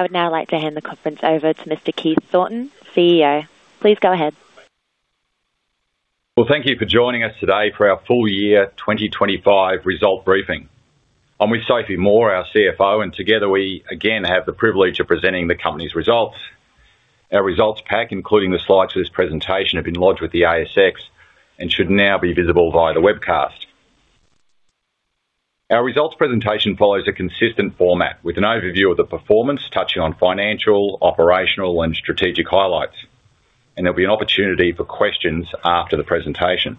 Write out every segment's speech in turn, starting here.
I would now like to hand the conference over to Mr. Keith Thornton, CEO. Please go ahead. Well, thank you for joining us today for our full year 2025 result briefing. I'm with Sophie Moore, our CFO, and together we again have the privilege of presenting the company's results. Our results pack, including the slides for this presentation, have been lodged with the ASX and should now be visible via the webcast. Our results presentation follows a consistent format with an overview of the performance, touching on financial, operational, and strategic highlights, and there'll be an opportunity for questions after the presentation.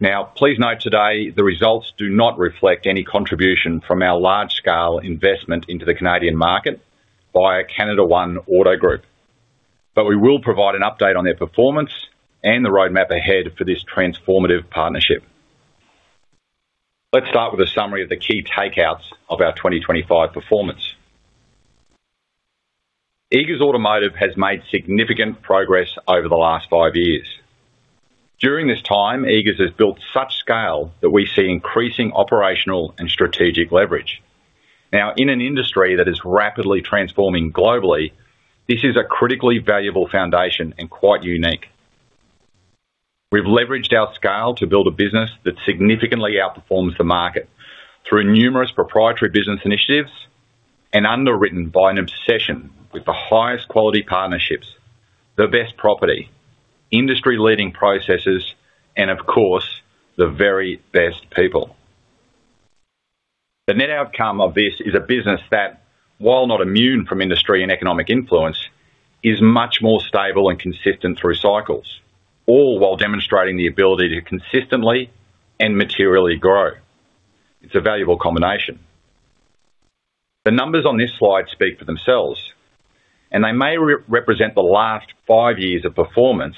Now, please note today, the results do not reflect any contribution from our large scale investment into the Canadian market by CanadaOne Auto Group. But we will provide an update on their performance and the roadmap ahead for this transformative partnership. Let's start with a summary of the key takeaways of our 2025 performance. Eagers Automotive has made significant progress over the last five years. During this time, Eagers has built such scale that we see increasing operational and strategic leverage. Now, in an industry that is rapidly transforming globally, this is a critically valuable foundation and quite unique. We've leveraged our scale to build a business that significantly outperforms the market through numerous proprietary business initiatives and underwritten by an obsession with the highest quality partnerships, the best property, industry-leading processes, and of course, the very best people. The net outcome of this is a business that, while not immune from industry and economic influence, is much more stable and consistent through cycles, all while demonstrating the ability to consistently and materially grow. It's a valuable combination. The numbers on this slide speak for themselves, and they may represent the last five years of performance,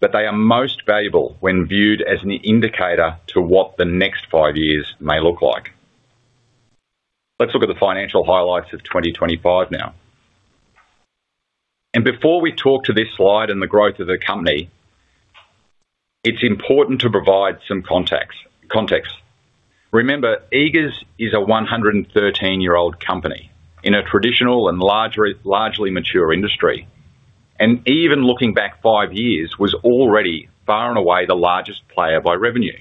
but they are most valuable when viewed as an indicator to what the next five years may look like. Let's look at the financial highlights of 2025 now. Before we talk to this slide and the growth of the company, it's important to provide some context. Remember, Eagers is a 113-year-old company in a traditional and largely mature industry, and even looking back five years, was already far and away the largest player by revenue.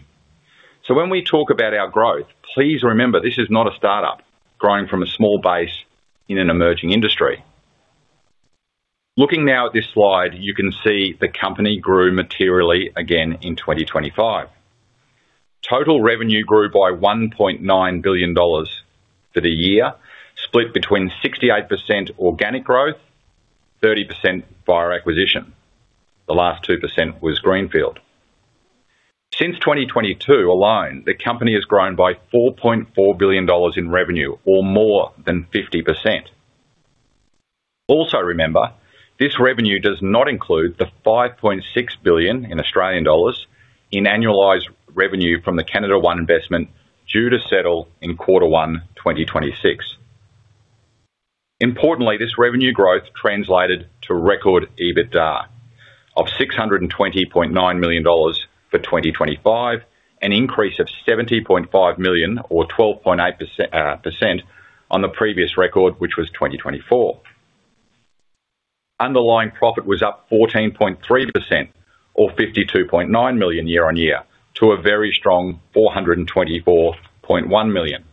So when we talk about our growth, please remember, this is not a startup growing from a small base in an emerging industry. Looking now at this slide, you can see the company grew materially again in 2025. Total revenue grew by 1.9 billion dollars for the year, split between 68% organic growth, 30% via acquisition. The last 2% was greenfield. Since 2022 alone, the company has grown by 4.4 billion dollars in revenue or more than 50%. Also, remember, this revenue does not include the AUD 5.6 billion in Australian dollars in annualized revenue from the CanadaOne investment due to settle in quarter one, 2026. Importantly, this revenue growth translated to record EBITDA of 620.9 million dollars for 2025, an increase of 70.5 million or 12.8% on the previous record, which was 2024. Underlying profit was up 14.3% or 52.9 million year-on-year to a very strong 424.1 million.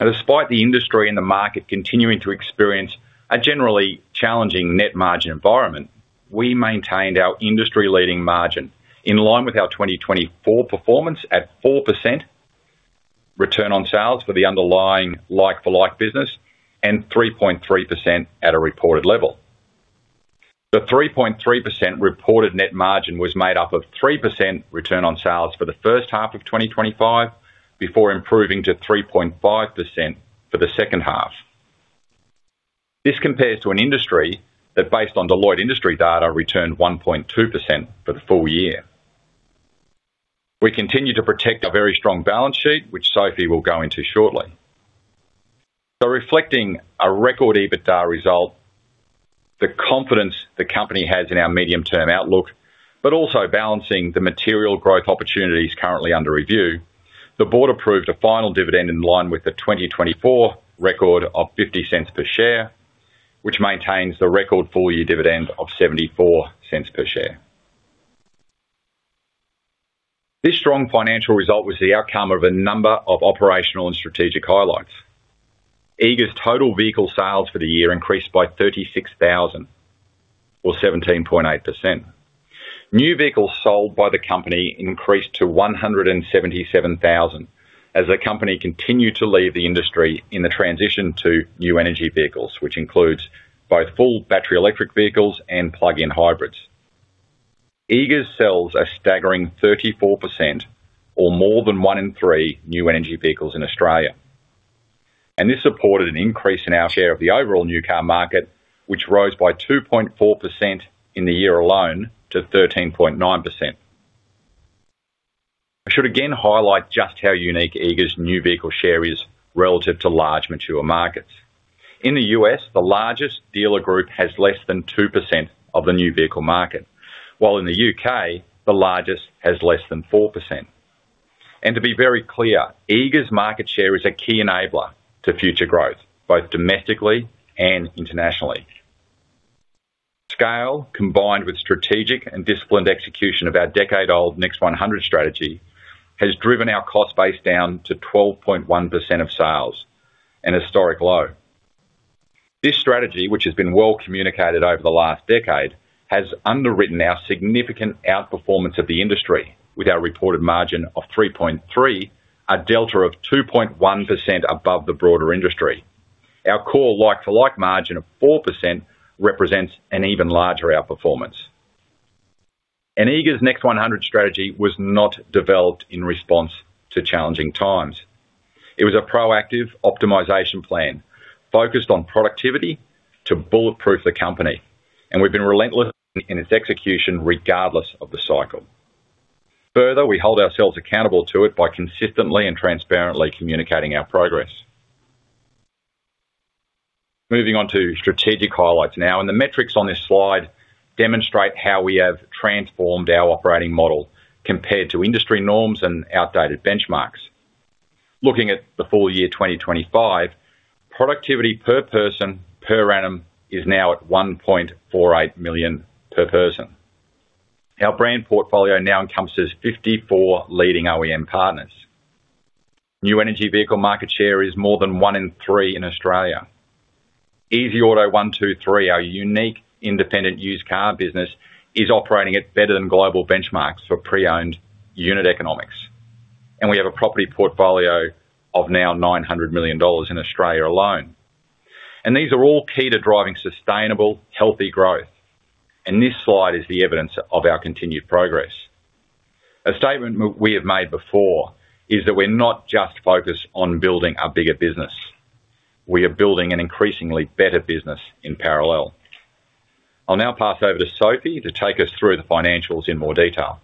Despite the industry and the market continuing to experience a generally challenging net margin environment, we maintained our industry-leading margin in line with our 2024 performance at 4% return on sales for the underlying like-for-like business and 3.3% at a reported level. The 3.3% reported net margin was made up of 3% return on sales for the first half of 2025, before improving to 3.5% for the second half. This compares to an industry that, based on Deloitte industry data, returned 1.2% for the full year. We continue to protect our very strong balance sheet, which Sophie will go into shortly. So reflecting a record EBITDA result, the confidence the company has in our medium-term outlook, but also balancing the material growth opportunities currently under review, the board approved a final dividend in line with the 2024 record of 0.50 per share, which maintains the record full-year dividend of 0.74 per share. This strong financial result was the outcome of a number of operational and strategic highlights. Eagers' total vehicle sales for the year increased by 36,000 or 17.8%. New vehicles sold by the company increased to 177,000 as the company continued to lead the industry in the transition to new energy vehicles, which includes both full battery electric vehicles and plug-in hybrids. Eagers sells a staggering 34% or more than one in three new energy vehicles in Australia, and this supported an increase in our share of the overall new car market, which rose by 2.4% in the year alone to 13.9%. I should again highlight just how unique Eagers' new vehicle share is relative to large, mature markets.... In the U.S., the largest dealer group has less than 2% of the new vehicle market, while in the U.K., the largest has less than 4%. And to be very clear, Eagers' market share is a key enabler to future growth, both domestically and internationally. Scale, combined with strategic and disciplined execution of our decade-old Next100 Strategy, has driven our cost base down to 12.1% of sales, an historic low. This strategy, which has been well communicated over the last decade, has underwritten our significant outperformance of the industry with our reported margin of 3.3%, a delta of 2.1% above the broader industry. Our core like-for-like margin of 4% represents an even larger outperformance. And Eagers' Next100 Strategy was not developed in response to challenging times. It was a proactive optimization plan focused on productivity to bulletproof the company, and we've been relentless in its execution regardless of the cycle. Further, we hold ourselves accountable to it by consistently and transparently communicating our progress. Moving on to strategic highlights now, and the metrics on this slide demonstrate how we have transformed our operating model compared to industry norms and outdated benchmarks. Looking at the full year 2025, productivity per person, per annum is now at 1.48 million per person. Our brand portfolio now encompasses 54 leading OEM partners. New energy vehicle market share is more than one in three in Australia. Easyauto123, our unique independent used car business, is operating at better-than-global benchmarks for pre-owned unit economics, and we have a property portfolio of now 900 million dollars in Australia alone. These are all key to driving sustainable, healthy growth, and this slide is the evidence of our continued progress. A statement we have made before is that we're not just focused on building a bigger business. We are building an increasingly better business in parallel. I'll now pass over to Sophie to take us through the financials in more detail.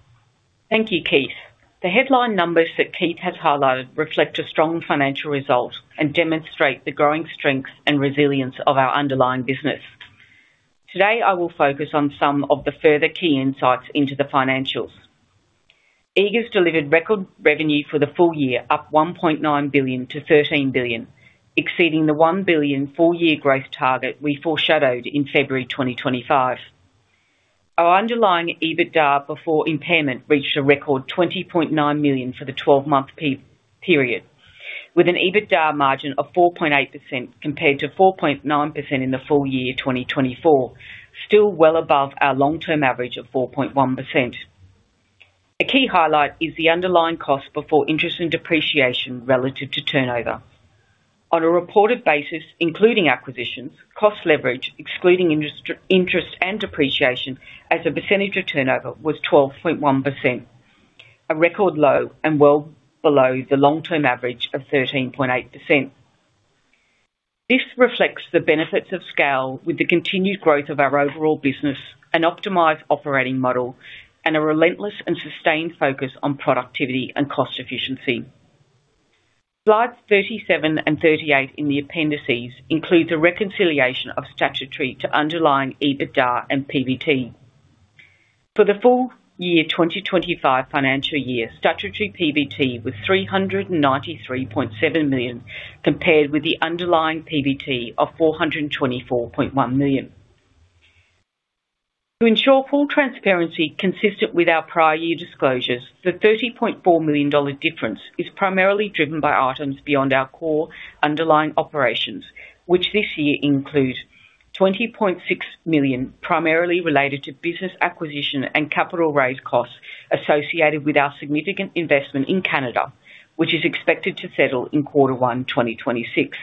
Thank you, Keith. The headline numbers that Keith has highlighted reflect a strong financial result and demonstrate the growing strength and resilience of our underlying business. Today, I will focus on some of the further key insights into the financials. Eagers delivered record revenue for the full year, up 1.9 billion to 13 billion, exceeding the 1 billion four-year growth target we foreshadowed in February 2025. Our underlying EBITDA before impairment reached a record 20.9 million for the 12-month period, with an EBITDA margin of 4.8% compared to 4.9% in the full year 2024, still well above our long-term average of 4.1%. A key highlight is the underlying cost before interest and depreciation relative to turnover. On a reported basis, including acquisitions, cost leverage, excluding interest and depreciation as a percentage of turnover was 12.1%, a record low and well below the long-term average of 13.8%. This reflects the benefits of scale with the continued growth of our overall business and optimized operating model, and a relentless and sustained focus on productivity and cost efficiency. Slides 37 and 38 in the appendices include the reconciliation of statutory to underlying EBITDA and PBT. For the full year 2025 financial year, statutory PBT was 393.7 million, compared with the underlying PBT of 424.1 million. To ensure full transparency consistent with our prior year disclosures, the 30.4 million dollar difference is primarily driven by items beyond our core underlying operations, which this year include 20.6 million, primarily related to business acquisition and capital raise costs associated with our significant investment in Canada, which is expected to settle in quarter one, 2026.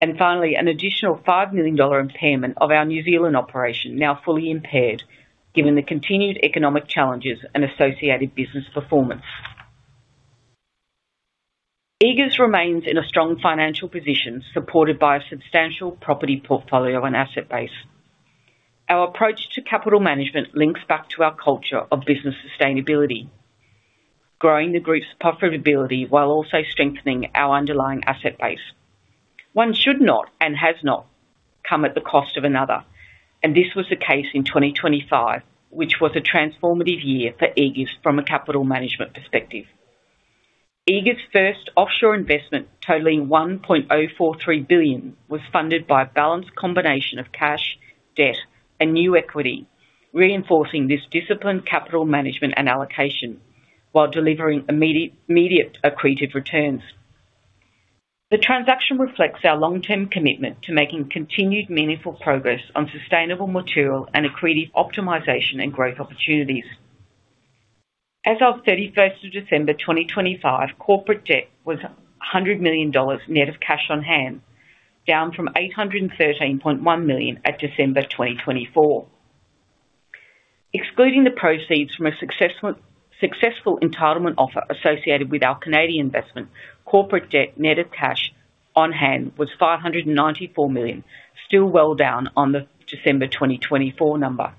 And finally, an additional 5 million dollar impairment of our New Zealand operation, now fully impaired, given the continued economic challenges and associated business performance. Eagers remains in a strong financial position, supported by a substantial property portfolio and asset base. Our approach to capital management links back to our culture of business sustainability, growing the group's profitability while also strengthening our underlying asset base. One should not and has not come at the cost of another, and this was the case in 2025, which was a transformative year for Eagers from a capital management perspective. Eagers' first offshore investment, totaling 1.043 billion, was funded by a balanced combination of cash, debt, and new equity, reinforcing this disciplined capital management and allocation while delivering immediate accretive returns. The transaction reflects our long-term commitment to making continued meaningful progress on sustainable material and accretive optimization and growth opportunities. As of 31st December, 2025, corporate debt was AUD 100 million net of cash on hand, down from AUD 813.1 million at December 2024. Excluding the proceeds from a successful entitlement offer associated with our Canadian investment, corporate debt net of cash on hand was 594 million, still well down on the December 2024 number.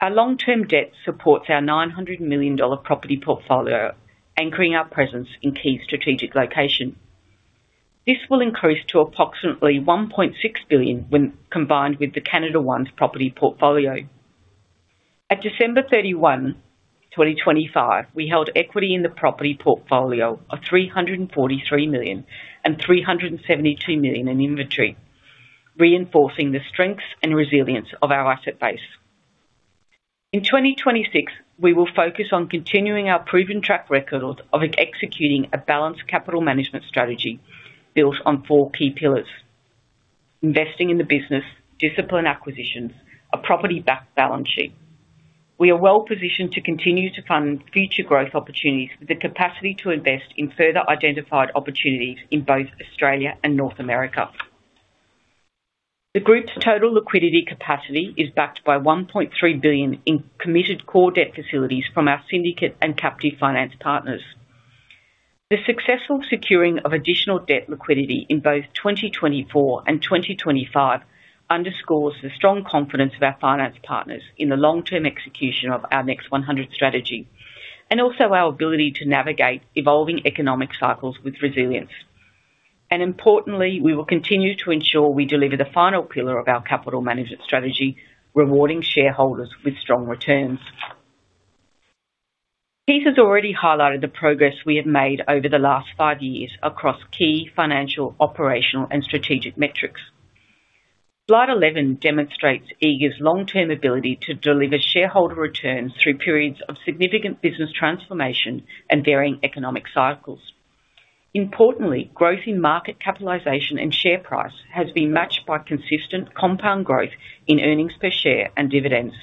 Our long-term debt supports our 900 million dollar property portfolio, anchoring our presence in key strategic location. This will increase to approximately 1.6 billion when combined with the CanadaOne's property portfolio. At December 31, 2025, we held equity in the property portfolio of 343 million and 372 million in inventory, reinforcing the strengths and resilience of our asset base. In 2026, we will focus on continuing our proven track record of executing a balanced capital management strategy built on four key pillars: investing in the business, disciplined acquisitions, a property-backed balance sheet. We are well-positioned to continue to fund future growth opportunities with the capacity to invest in further identified opportunities in both Australia and North America. The group's total liquidity capacity is backed by 1.3 billion in committed core debt facilities from our syndicate and captive finance partners. The successful securing of additional debt liquidity in both 2024 and 2025 underscores the strong confidence of our finance partners in the long-term execution of our Next100 Strategy, and also our ability to navigate evolving economic cycles with resilience. Importantly, we will continue to ensure we deliver the final pillar of our capital management strategy, rewarding shareholders with strong returns. Keith has already highlighted the progress we have made over the last five years across key financial, operational, and strategic metrics. Slide 11 demonstrates Eagers' long-term ability to deliver shareholder returns through periods of significant business transformation and varying economic cycles. Importantly, growth in market capitalization and share price has been matched by consistent compound growth in earnings per share and dividends,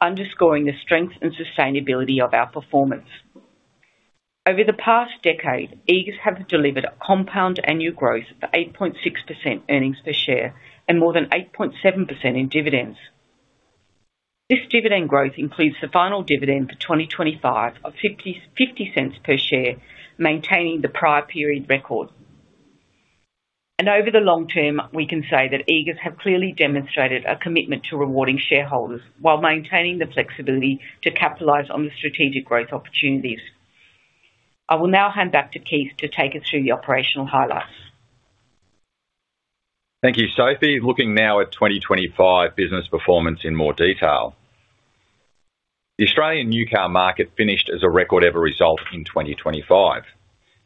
underscoring the strength and sustainability of our performance. Over the past decade, Eagers have delivered a compound annual growth of 8.6% earnings per share and more than 8.7% in dividends. This dividend growth includes the final dividend for 2025 of 0.50 per share, maintaining the prior period record. Over the long term, we can say that Eagers have clearly demonstrated a commitment to rewarding shareholders while maintaining the flexibility to capitalize on the strategic growth opportunities. I will now hand back to Keith to take us through the operational highlights. Thank you, Sophie. Looking now at 2025 business performance in more detail. The Australian new car market finished as a record ever result in 2025.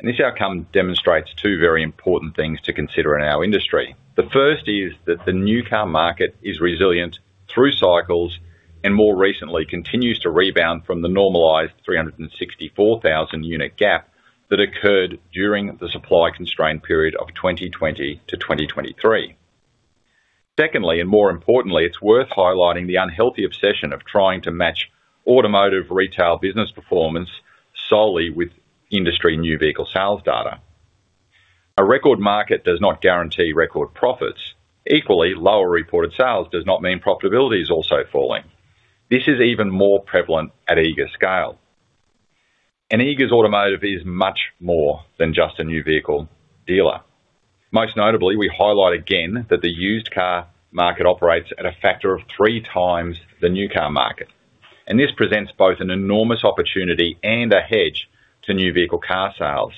This outcome demonstrates two very important things to consider in our industry. The first is that the new car market is resilient through cycles, and more recently continues to rebound from the normalized 364,000-unit gap that occurred during the supply constraint period of 2020 to 2023. Secondly, and more importantly, it's worth highlighting the unhealthy obsession of trying to match automotive retail business performance solely with industry new vehicle sales data. A record market does not guarantee record profits. Equally, lower reported sales does not mean profitability is also falling. This is even more prevalent at Eagers scale. Eagers Automotive is much more than just a new vehicle dealer. Most notably, we highlight again that the used car market operates at a factor of 3x the new car market, and this presents both an enormous opportunity and a hedge to new vehicle car sales.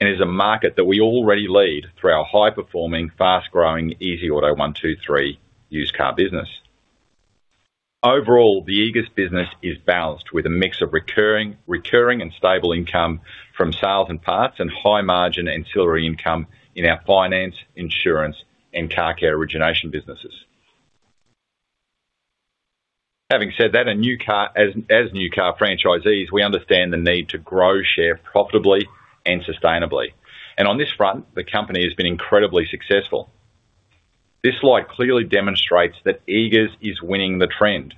And is a market that we already lead through our high-performing, fast-growing easyauto123 used car business. Overall, the Eagers business is balanced with a mix of recurring, recurring and stable income from sales and parts, and high margin ancillary income in our finance, insurance, and car care origination businesses. Having said that, as new car franchisees, we understand the need to grow share profitably and sustainably. And on this front, the company has been incredibly successful. This slide clearly demonstrates that Eagers is winning the trend.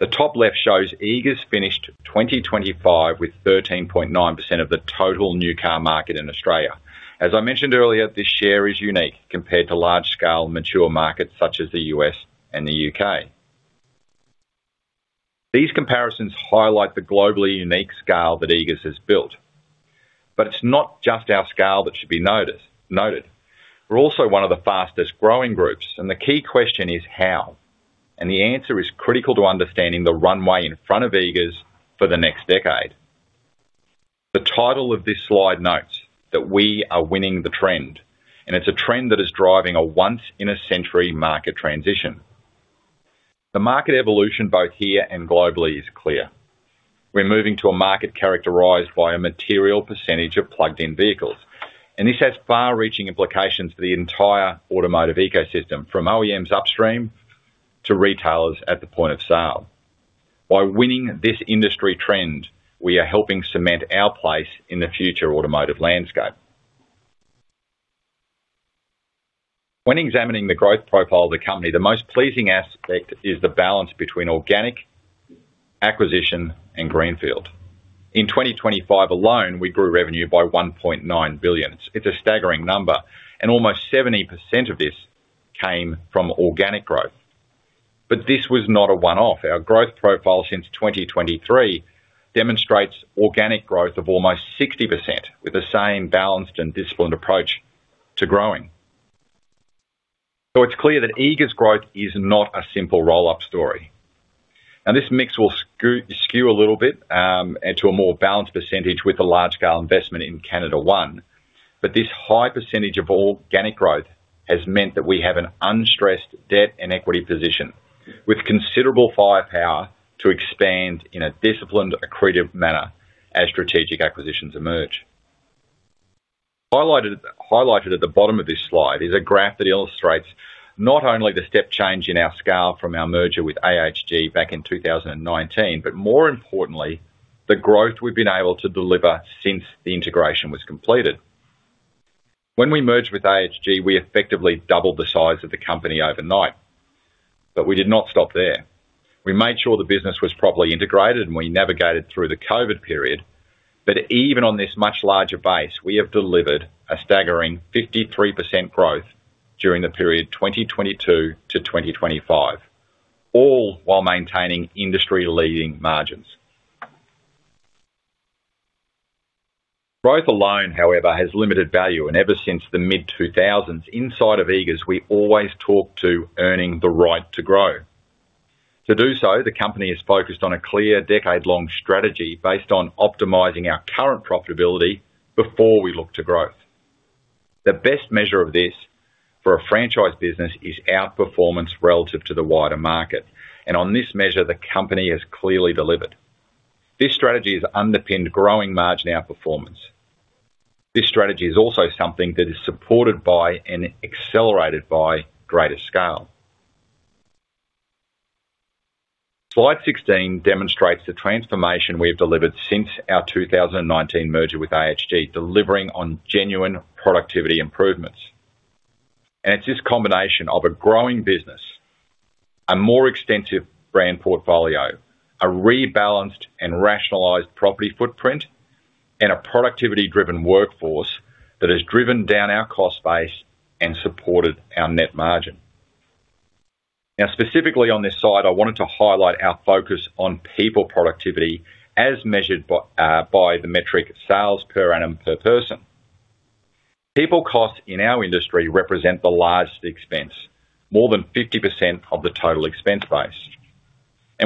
The top left shows Eagers finished 2025 with 13.9% of the total new car market in Australia. As I mentioned earlier, this share is unique compared to large scale, mature markets such as the U.S. and the U.K. These comparisons highlight the globally unique scale that Eagers has built. But it's not just our scale that should be noticed, noted. We're also one of the fastest growing groups, and the key question is how? And the answer is critical to understanding the runway in front of Eagers for the next decade. The title of this slide notes that we are winning the trend, and it's a trend that is driving a once in a century market transition. The market evolution, both here and globally, is clear. We're moving to a market characterized by a material percentage of plugged-in vehicles, and this has far-reaching implications for the entire automotive ecosystem, from OEMs upstream to retailers at the point of sale. By winning this industry trend, we are helping cement our place in the future automotive landscape. When examining the growth profile of the company, the most pleasing aspect is the balance between organic, acquisition, and greenfield. In 2025 alone, we grew revenue by 1.9 billion. It's, it's a staggering number, and almost 70% of this came from organic growth. This was not a one-off. Our growth profile since 2023 demonstrates organic growth of almost 60%, with the same balanced and disciplined approach to growing. It's clear that Eagers' growth is not a simple roll-up story. Now, this mix will skew a little bit into a more balanced percentage with the large scale investment in CanadaOne, but this high percentage of organic growth has meant that we have an unstressed debt and equity position, with considerable firepower to expand in a disciplined, accretive manner as strategic acquisitions emerge. Highlighted at the bottom of this slide is a graph that illustrates not only the step change in our scale from our merger with AHG back in 2019, but more importantly, the growth we've been able to deliver since the integration was completed. When we merged with AHG, we effectively doubled the size of the company overnight, but we did not stop there. We made sure the business was properly integrated, and we navigated through the COVID period, but even on this much larger base, we have delivered a staggering 53% growth during the period 2022 to 2025, all while maintaining industry-leading margins. Growth alone, however, has limited value, and ever since the mid-2000s, inside of Eagers, we always talked to earning the right to grow. To do so, the company has focused on a clear, decade-long strategy based on optimizing our current profitability before we look to growth. The best measure of this for a franchise business is outperformance relative to the wider market, and on this measure, the company has clearly delivered. This strategy has underpinned growing margin outperformance. This strategy is also something that is supported by and accelerated by greater scale. Slide 16 demonstrates the transformation we have delivered since our 2019 merger with AHG, delivering on genuine productivity improvements. It's this combination of a growing business, a more extensive brand portfolio, a rebalanced and rationalized property footprint, and a productivity-driven workforce that has driven down our cost base and supported our net margin. Now, specifically on this slide, I wanted to highlight our focus on people productivity as measured by the metric sales per annum per person. People costs in our industry represent the largest expense, more than 50% of the total expense base.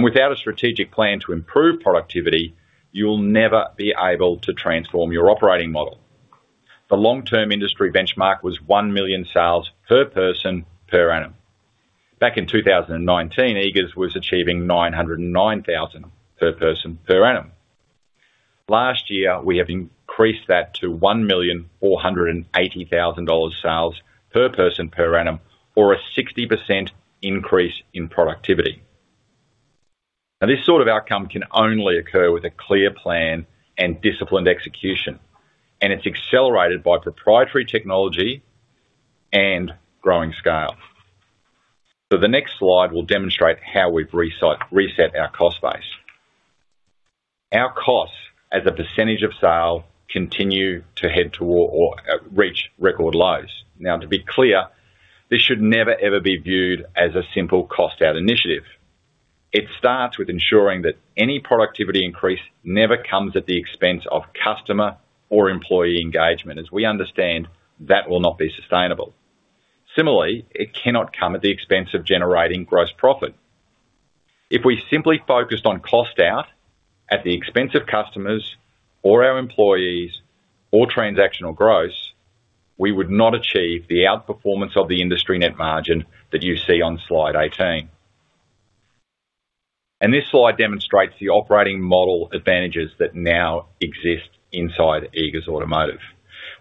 Without a strategic plan to improve productivity, you'll never be able to transform your operating model. The long-term industry benchmark was 1 million sales per person per annum. Back in 2019, Eagers was achieving 909,000 per person per annum. Last year, we have increased that to 1.48 million dollars sales per person per annum or a 60% increase in productivity. Now, this sort of outcome can only occur with a clear plan and disciplined execution, and it's accelerated by proprietary technology and growing scale. So the next slide will demonstrate how we've reset our cost base. Our costs as a percentage of sale continue to head toward or reach record lows. Now, to be clear, this should never, ever be viewed as a simple cost out initiative. It starts with ensuring that any productivity increase never comes at the expense of customer or employee engagement, as we understand that will not be sustainable. Similarly, it cannot come at the expense of generating gross profit. If we simply focused on cost out at the expense of customers or our employees or transactional gross, we would not achieve the outperformance of the industry net margin that you see on slide 18. This slide demonstrates the operating model advantages that now exist inside Eagers Automotive.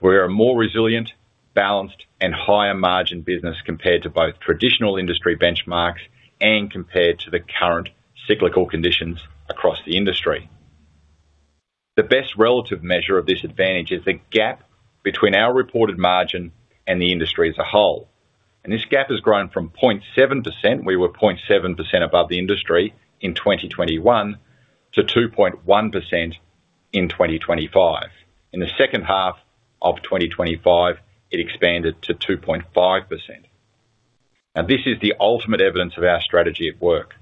We are a more resilient, balanced, and higher margin business compared to both traditional industry benchmarks and compared to the current cyclical conditions across the industry. The best relative measure of this advantage is the gap between our reported margin and the industry as a whole, and this gap has grown from 0.7%. We were 0.7% above the industry in 2021 to 2.1% in 2025. In the second half of 2025, it expanded to 2.5%. Now, this is the ultimate evidence of our strategy at work.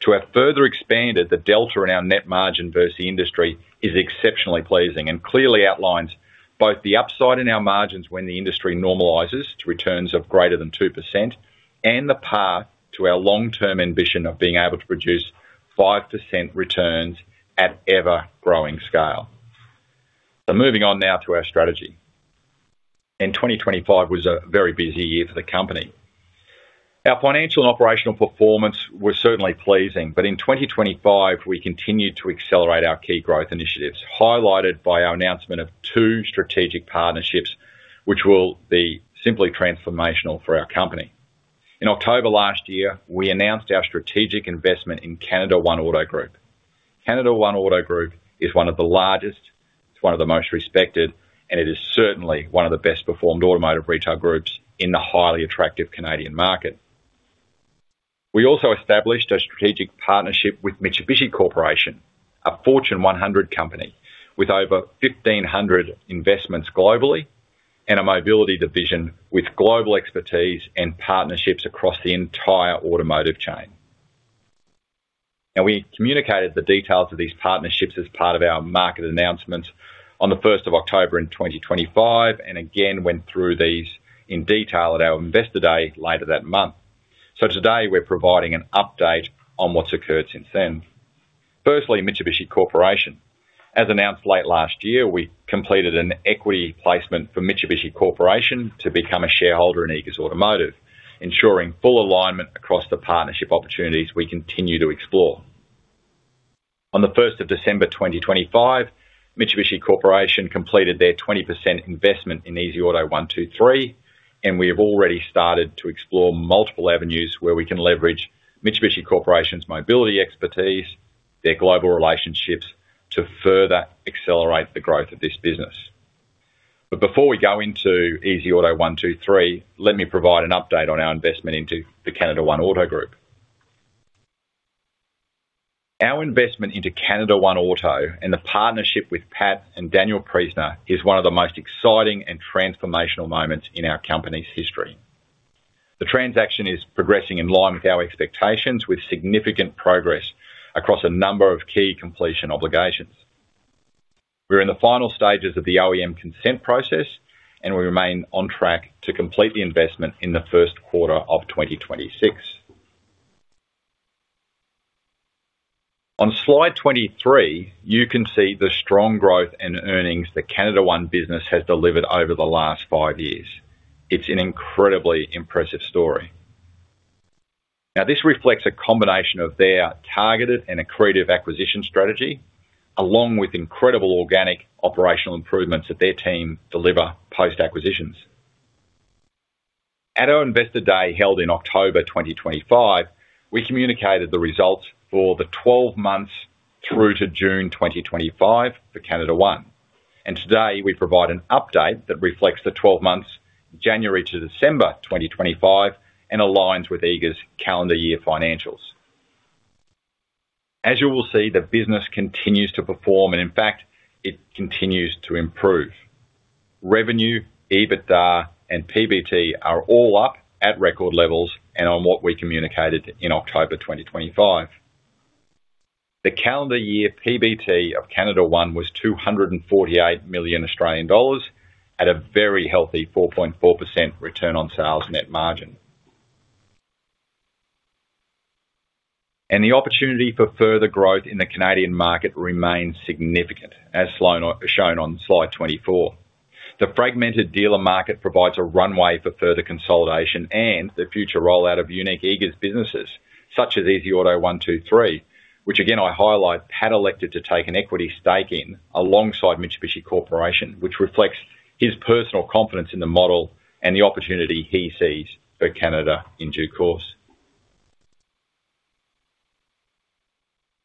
To have further expanded the delta in our net margin versus the industry is exceptionally pleasing and clearly outlines both the upside in our margins when the industry normalizes to returns of greater than 2%, and the path to our long-term ambition of being able to produce 5% returns at ever-growing scale. So moving on now to our strategy. 2025 was a very busy year for the company. Our financial and operational performance was certainly pleasing, but in 2025, we continued to accelerate our key growth initiatives, highlighted by our announcement of two strategic partnerships, which will be simply transformational for our company. In October last year, we announced our strategic investment in CanadaOne Auto Group. CanadaOne Auto Group is one of the largest, it's one of the most respected, and it is certainly one of the best performed automotive retail groups in the highly attractive Canadian market. We also established a strategic partnership with Mitsubishi Corporation, a Fortune 100 company with over 1,500 investments globally and a mobility division with global expertise and partnerships across the entire automotive chain. Now, we communicated the details of these partnerships as part of our market announcements on the first of October in 2025, and again, went through these in detail at our Investor Day later that month. So today, we're providing an update on what's occurred since then. Firstly, Mitsubishi Corporation. As announced late last year, we completed an equity placement for Mitsubishi Corporation to become a shareholder in Eagers Automotive, ensuring full alignment across the partnership opportunities we continue to explore. On the 1st of December 2025, Mitsubishi Corporation completed their 20% investment in easyauto123, and we have already started to explore multiple avenues where we can leverage Mitsubishi Corporation's mobility expertise, their global relationships, to further accelerate the growth of this business. But before we go into easyauto123, let me provide an update on our investment into the CanadaOne Auto Group. Our investment into CanadaOne Auto, and the partnership with Pat and Daniel Priestner, is one of the most exciting and transformational moments in our company's history. The transaction is progressing in line with our expectations, with significant progress across a number of key completion obligations. We're in the final stages of the OEM consent process, and we remain on track to complete the investment in the first quarter of 2026. On slide 23, you can see the strong growth and earnings the CanadaOne business has delivered over the last five years. It's an incredibly impressive story. Now, this reflects a combination of their targeted and accretive acquisition strategy, along with incredible organic operational improvements that their team deliver post-acquisitions. At our Investor Day, held in October 2025, we communicated the results for the 12 months through to June 2025 for CanadaOne, and today we provide an update that reflects the 12 months, January to December 2025, and aligns with Eagers' calendar year financials. As you will see, the business continues to perform and, in fact, it continues to improve. Revenue, EBITDA, and PBT are all up at record levels and on what we communicated in October 2025. The calendar year PBT of CanadaOne was 248 million Australian dollars at a very healthy 4.4% return on sales net margin. The opportunity for further growth in the Canadian market remains significant, as shown on slide 24. The fragmented dealer market provides a runway for further consolidation and the future rollout of unique Eagers businesses, such as easyauto123, which again, I highlight, Pat elected to take an equity stake in alongside Mitsubishi Corporation, which reflects his personal confidence in the model and the opportunity he sees for Canada in due course.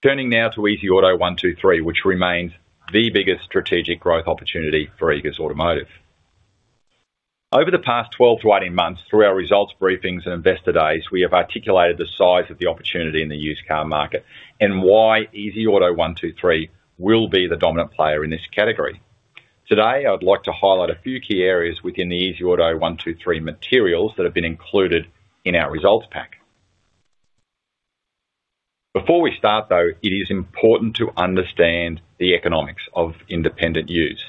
Turning now to easyauto123, which remains the biggest strategic growth opportunity for Eagers Automotive. Over the past 12 to 18 months, through our results briefings and Investor Days, we have articulated the size of the opportunity in the used car market and why easyauto123 will be the dominant player in this category. Today, I'd like to highlight a few key areas within the easyauto123 materials that have been included in our results pack. Before we start, though, it is important to understand the economics of independent used.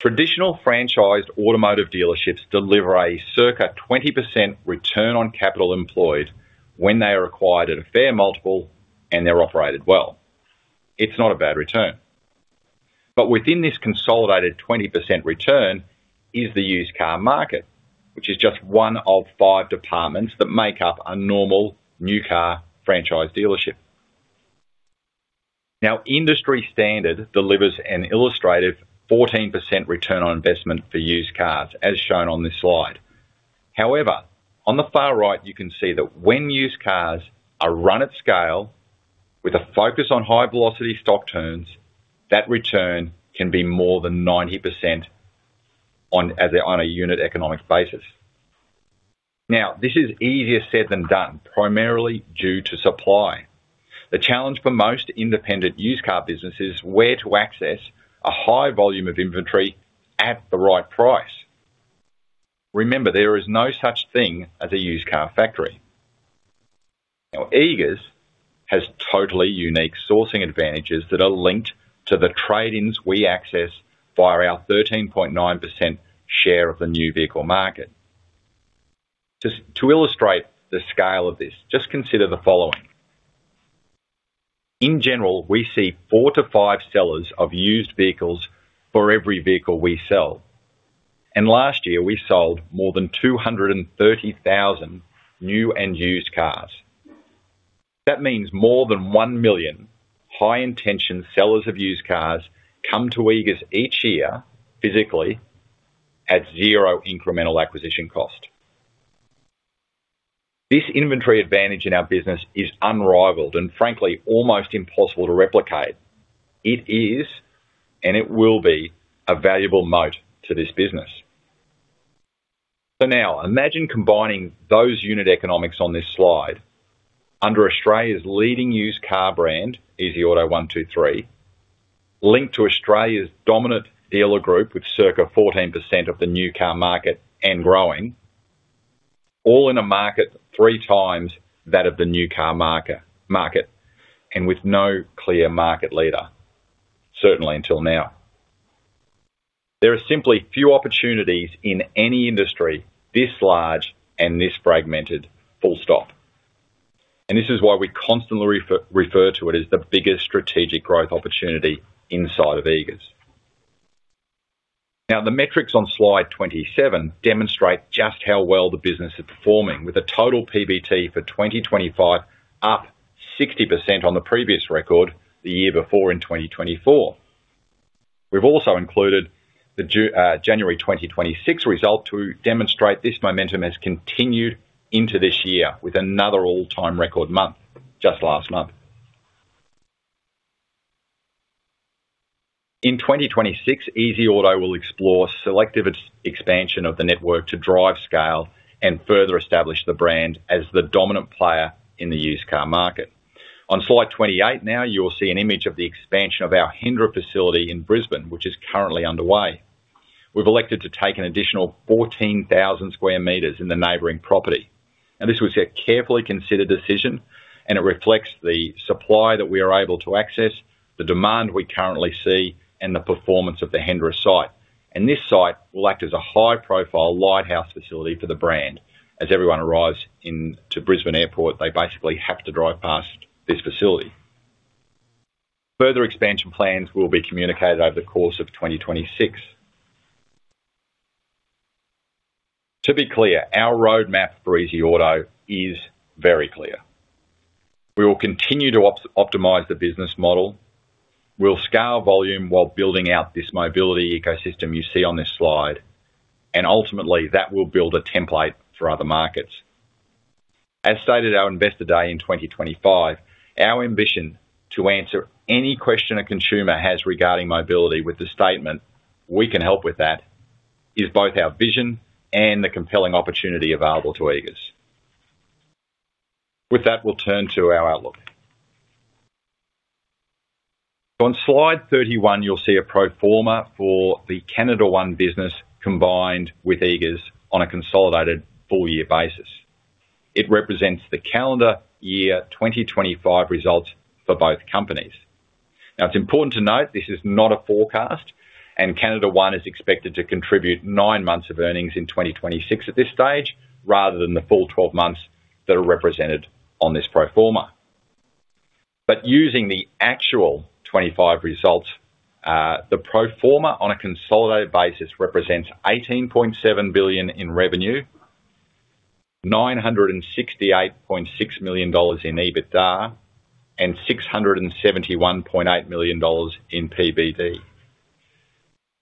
Traditional franchised automotive dealerships deliver a circa 20% return on capital employed when they are acquired at a fair multiple and they're operated well. It's not a bad return. Within this consolidated 20% return is the used car market, which is just one of five departments that make up a normal new car franchise dealership. Now, industry standard delivers an illustrative 14% return on investment for used cars, as shown on this slide. However, on the far right, you can see that when used cars are run at scale with a focus on high-velocity stock turns, that return can be more than 90% on a unit economic basis. Now, this is easier said than done, primarily due to supply. The challenge for most independent used car businesses is where to access a high volume of inventory at the right price. Remember, there is no such thing as a used car factory. Now, Eagers has totally unique sourcing advantages that are linked to the trade-ins we access via our 13.9% share of the new vehicle market. Just to illustrate the scale of this, just consider the following: In general, we see four to five sellers of used vehicles for every vehicle we sell, and last year we sold more than 230,000 new and used cars. That means more than 1 million high-intention sellers of used cars come to Eagers each year, physically, at zero incremental acquisition cost. This inventory advantage in our business is unrivaled and, frankly, almost impossible to replicate. It is, and it will be, a valuable moat to this business. So now, imagine combining those unit economics on this slide under Australia's leading used car brand, easyauto123... linked to Australia's dominant dealer group, with circa 14% of the new car market and growing. All in a market three times that of the new car market, and with no clear market leader, certainly until now. There are simply few opportunities in any industry this large and this fragmented, full stop. And this is why we constantly refer to it as the biggest strategic growth opportunity inside of Eagers. Now, the metrics on slide 27 demonstrate just how well the business is performing, with a total PBT for 2025, up 60% on the previous record, the year before in 2024. We've also included the January 2026 result to demonstrate this momentum has continued into this year with another all-time record month, just last month. In 2026, Easy Auto will explore selective its expansion of the network to drive scale and further establish the brand as the dominant player in the used car market. On slide 28, now you will see an image of the expansion of our Hendra facility in Brisbane, which is currently underway. We've elected to take an additional 14,000 sq m in the neighboring property, and this was a carefully considered decision, and it reflects the supply that we are able to access, the demand we currently see, and the performance of the Hendra site. This site will act as a high-profile lighthouse facility for the brand. As everyone arrives into Brisbane Airport, they basically have to drive past this facility. Further expansion plans will be communicated over the course of 2026. To be clear, our roadmap for Easy Auto is very clear. We will continue to optimize the business model. We'll scale volume while building out this mobility ecosystem you see on this slide, and ultimately, that will build a template for other markets. As stated at our Investor Day in 2025, our ambition to answer any question a consumer has regarding mobility with the statement, "We can help with that," is both our vision and the compelling opportunity available to Eagers. With that, we'll turn to our outlook. On slide 31, you'll see a pro forma for the CanadaOne business combined with Eagers on a consolidated full year basis. It represents the calendar year 2025 results for both companies. Now, it's important to note this is not a forecast, and CanadaOne is expected to contribute nine months of earnings in 2026 at this stage, rather than the full 12 months that are represented on this pro forma. Using the actual 25 results, the pro forma on a consolidated basis represents 18.7 billion in revenue, 968.6 million dollars in EBITDA, and 671.8 million dollars in PBT.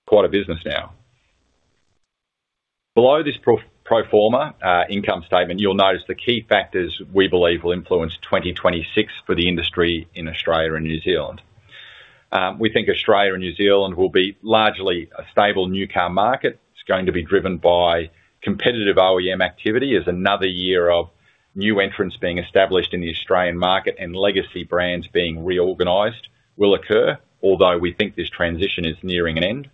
Quite a business now. Below this pro forma income statement, you'll notice the key factors we believe will influence 2026 for the industry in Australia and New Zealand. We think Australia and New Zealand will be largely a stable new car market. It's going to be driven by competitive OEM activity, as another year of new entrants being established in the Australian market and legacy brands being reorganized will occur, although we think this transition is nearing an end.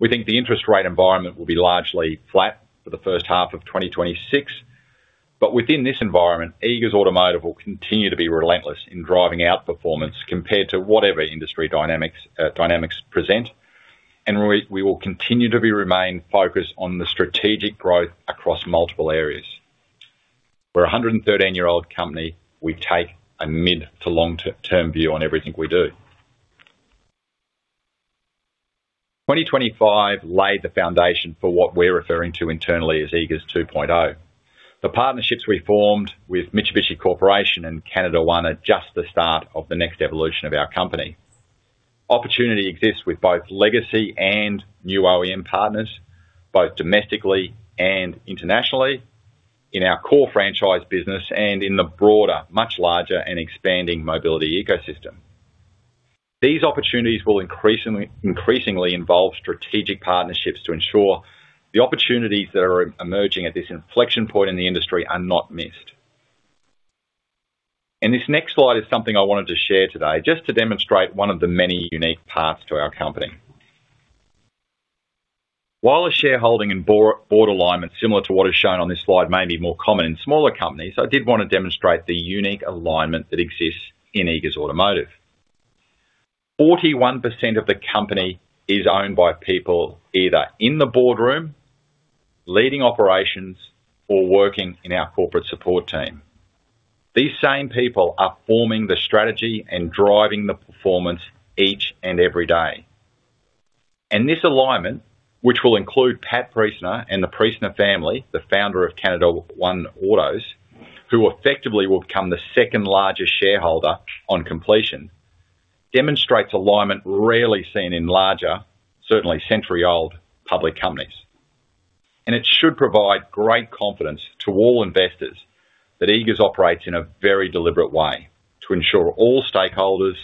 We think the interest rate environment will be largely flat for the first half of 2026. But within this environment, Eagers Automotive will continue to be relentless in driving out performance compared to whatever industry dynamics, dynamics present. And we, we will continue to remain focused on the strategic growth across multiple areas. We're a 113-year-old company; we take a mid- to long-term view on everything we do. 2025 laid the foundation for what we're referring to internally as Eagers 2.0. The partnerships we formed with Mitsubishi Corporation and CanadaOne are just the start of the next evolution of our company. Opportunity exists with both legacy and new OEM partners, both domestically and internationally, in our core franchise business and in the broader, much larger and expanding mobility ecosystem. These opportunities will increasingly, increasingly involve strategic partnerships to ensure the opportunities that are emerging at this inflection point in the industry are not missed. This next slide is something I wanted to share today, just to demonstrate one of the many unique paths to our company. While a shareholding and board alignment similar to what is shown on this slide may be more common in smaller companies, I did want to demonstrate the unique alignment that exists in Eagers Automotive. 41% of the company is owned by people, either in the boardroom, leading operations, or working in our corporate support team. These same people are forming the strategy and driving the performance each and every day. And this alignment, which will include Pat Priestner and the Priestner family, the founder of CanadaOne Auto Group, who effectively will become the second largest shareholder on completion, demonstrates alignment rarely seen in larger, certainly century-old public companies. And it should provide great confidence to all investors that Eagers operates in a very deliberate way to ensure all stakeholders,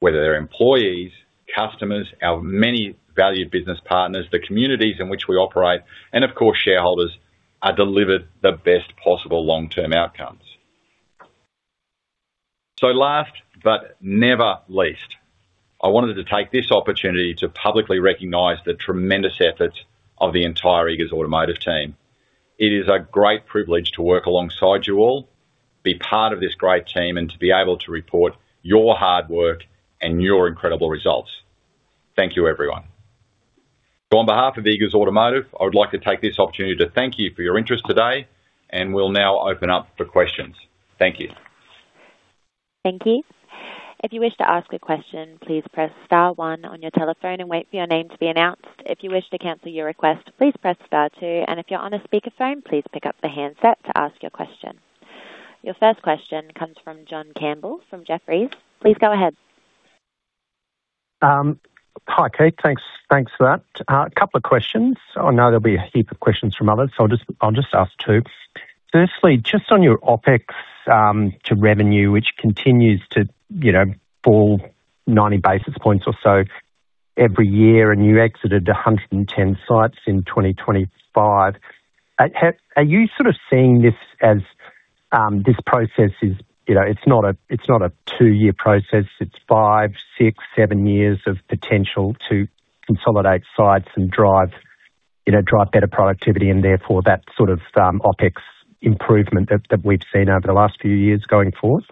whether they're employees, customers, our many valued business partners, the communities in which we operate, and of course, shareholders are delivered the best possible long-term outcomes. So last but never least, I wanted to take this opportunity to publicly recognize the tremendous efforts of the entire Eagers Automotive team. It is a great privilege to work alongside you all, be part of this great team, and to be able to report your hard work and your incredible results. Thank you, everyone. So on behalf of Eagers Automotive, I would like to take this opportunity to thank you for your interest today, and we'll now open up for questions. Thank you. Thank you. If you wish to ask a question, please press star one on your telephone and wait for your name to be announced. If you wish to cancel your request, please press star two, and if you're on a speakerphone, please pick up the handset to ask your question. Your first question comes from John Campbell, from Jefferies. Please go ahead. Hi, Keith. Thanks, thanks for that. A couple of questions. I know there'll be a heap of questions from others, so I'll just, I'll just ask two. Firstly, just on your OpEx to revenue, which continues to, you know, fall 90 basis points or so every year, and you exited 110 sites in 2025. Are you sort of seeing this as this process is, you know, it's not a, it's not a two-year process, it's five, six, seven years of potential to consolidate sites and drive, you know, drive better productivity and therefore that sort of OpEx improvement that, that we've seen over the last few years going forward?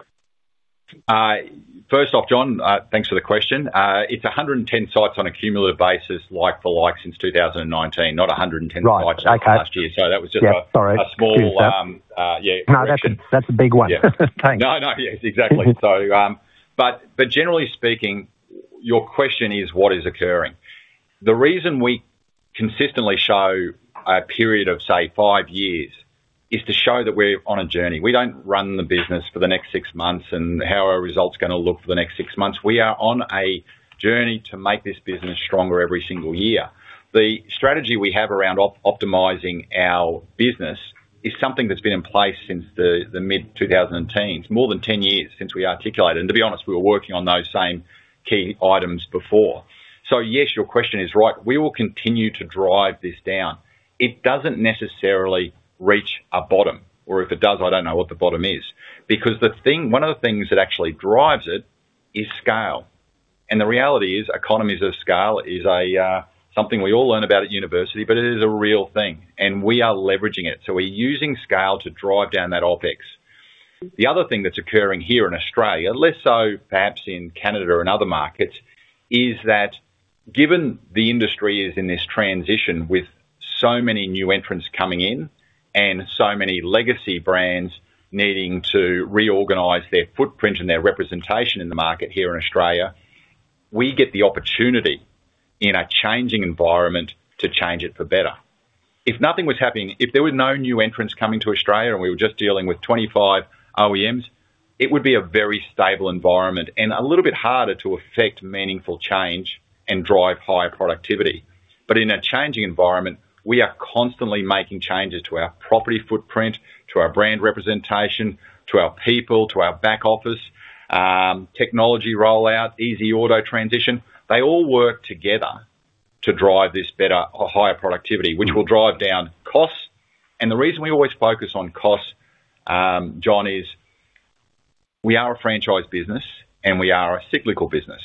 First off, John, thanks for the question. It's 110 sites on a cumulative basis, like-for-like since 2019, not 110 sites- Right. Okay. last year. So that was just a- Yeah, sorry... a small, yeah- No, that's a, that's a big one. Thanks. No, no. Yes, exactly. Mm-hmm. So, but generally speaking, your question is, what is occurring? The reason we consistently show a period of, say, five years, is to show that we're on a journey. We don't run the business for the next six months, and how are our results gonna look for the next six months. We are on a journey to make this business stronger every single year. The strategy we have around optimizing our business is something that's been in place since the mid-2010s. More than 10 years since we articulated it. And to be honest, we were working on those same key items before. So yes, your question is right. We will continue to drive this down. It doesn't necessarily reach a bottom, or if it does, I don't know what the bottom is. One of the things that actually drives it is scale. And the reality is, economies of scale is a something we all learn about at university, but it is a real thing, and we are leveraging it. So we're using scale to drive down that OpEx. The other thing that's occurring here in Australia, less so perhaps in Canada or in other markets, is that, given the industry is in this transition with so many new entrants coming in, and so many legacy brands needing to reorganize their footprint and their representation in the market here in Australia, we get the opportunity, in a changing environment, to change it for better. If nothing was happening, if there were no new entrants coming to Australia, and we were just dealing with 25 OEMs, it would be a very stable environment and a little bit harder to effect meaningful change and drive higher productivity. But in a changing environment, we are constantly making changes to our property footprint, to our brand representation, to our people, to our back office, technology rollout, easy auto transition. They all work together to drive this better or higher productivity, which will drive down costs. And the reason we always focus on costs, John, is we are a franchise business, and we are a cyclical business.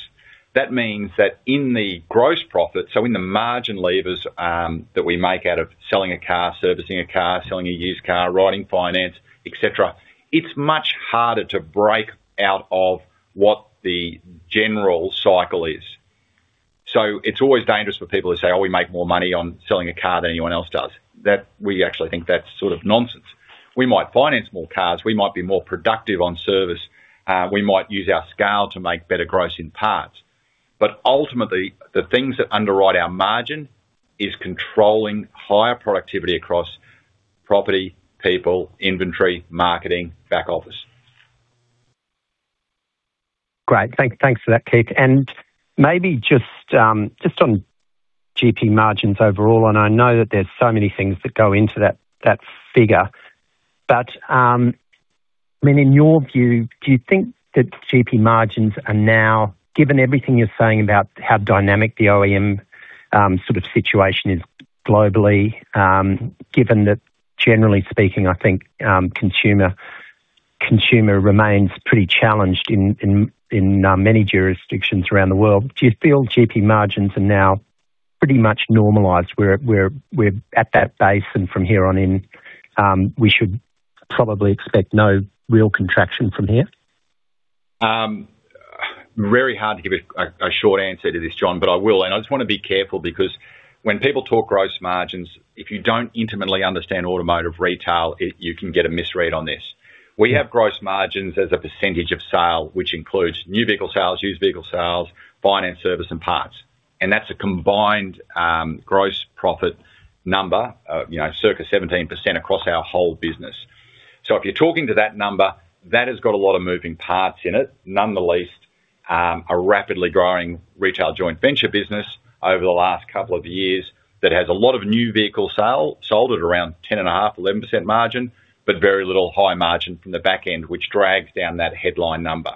That means that in the gross profit, so in the margin levers, that we make out of selling a car, servicing a car, selling a used car, writing finance, et cetera, it's much harder to break out of what the general cycle is. So it's always dangerous for people to say, "Oh, we make more money on selling a car than anyone else does." That, we actually think that's sort of nonsense. We might finance more cars, we might be more productive on service, we might use our scale to make better gross in parts, but ultimately, the things that underwrite our margin, is controlling higher productivity across property, people, inventory, marketing, back office. Great. Thanks for that, Keith. And maybe just on GP margins overall, and I know that there's so many things that go into that, that figure. But, I mean, in your view, do you think that GP margins are now... Given everything you're saying about how dynamic the OEM sort of situation is globally, given that generally speaking, I think, consumer, consumer remains pretty challenged in, in, in many jurisdictions around the world, do you feel GP margins are now pretty much normalized, where, where we're at that base, and from here on in, we should probably expect no real contraction from here? Very hard to give a short answer to this, John, but I will. And I just want to be careful because when people talk gross margins, if you don't intimately understand automotive retail, it, you can get a misread on this. We have gross margins as a percentage of sale, which includes new vehicle sales, used vehicle sales, finance, service, and parts. And that's a combined, gross profit number, you know, circa 17% across our whole business. So if you're talking to that number, that has got a lot of moving parts in it, none the least, a rapidly growing retail joint venture business over the last couple of years, that has a lot of new vehicle sale, sold at around 10.5%-11% margin, but very little high margin from the back end, which drags down that headline number.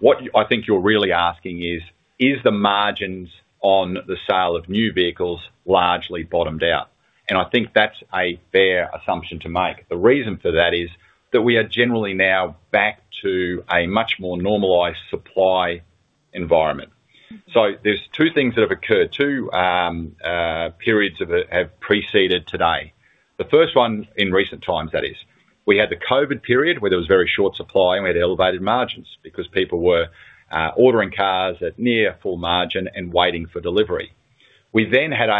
What I think you're really asking is, is the margins on the sale of new vehicles largely bottomed out? And I think that's a fair assumption to make. The reason for that is, that we are generally now back to a much more normalized supply environment. So there's two things that have occurred, two periods of it have preceded today. The first one, in recent times that is, we had the COVID period, where there was very short supply, and we had elevated margins because people were ordering cars at near full margin and waiting for delivery. We then had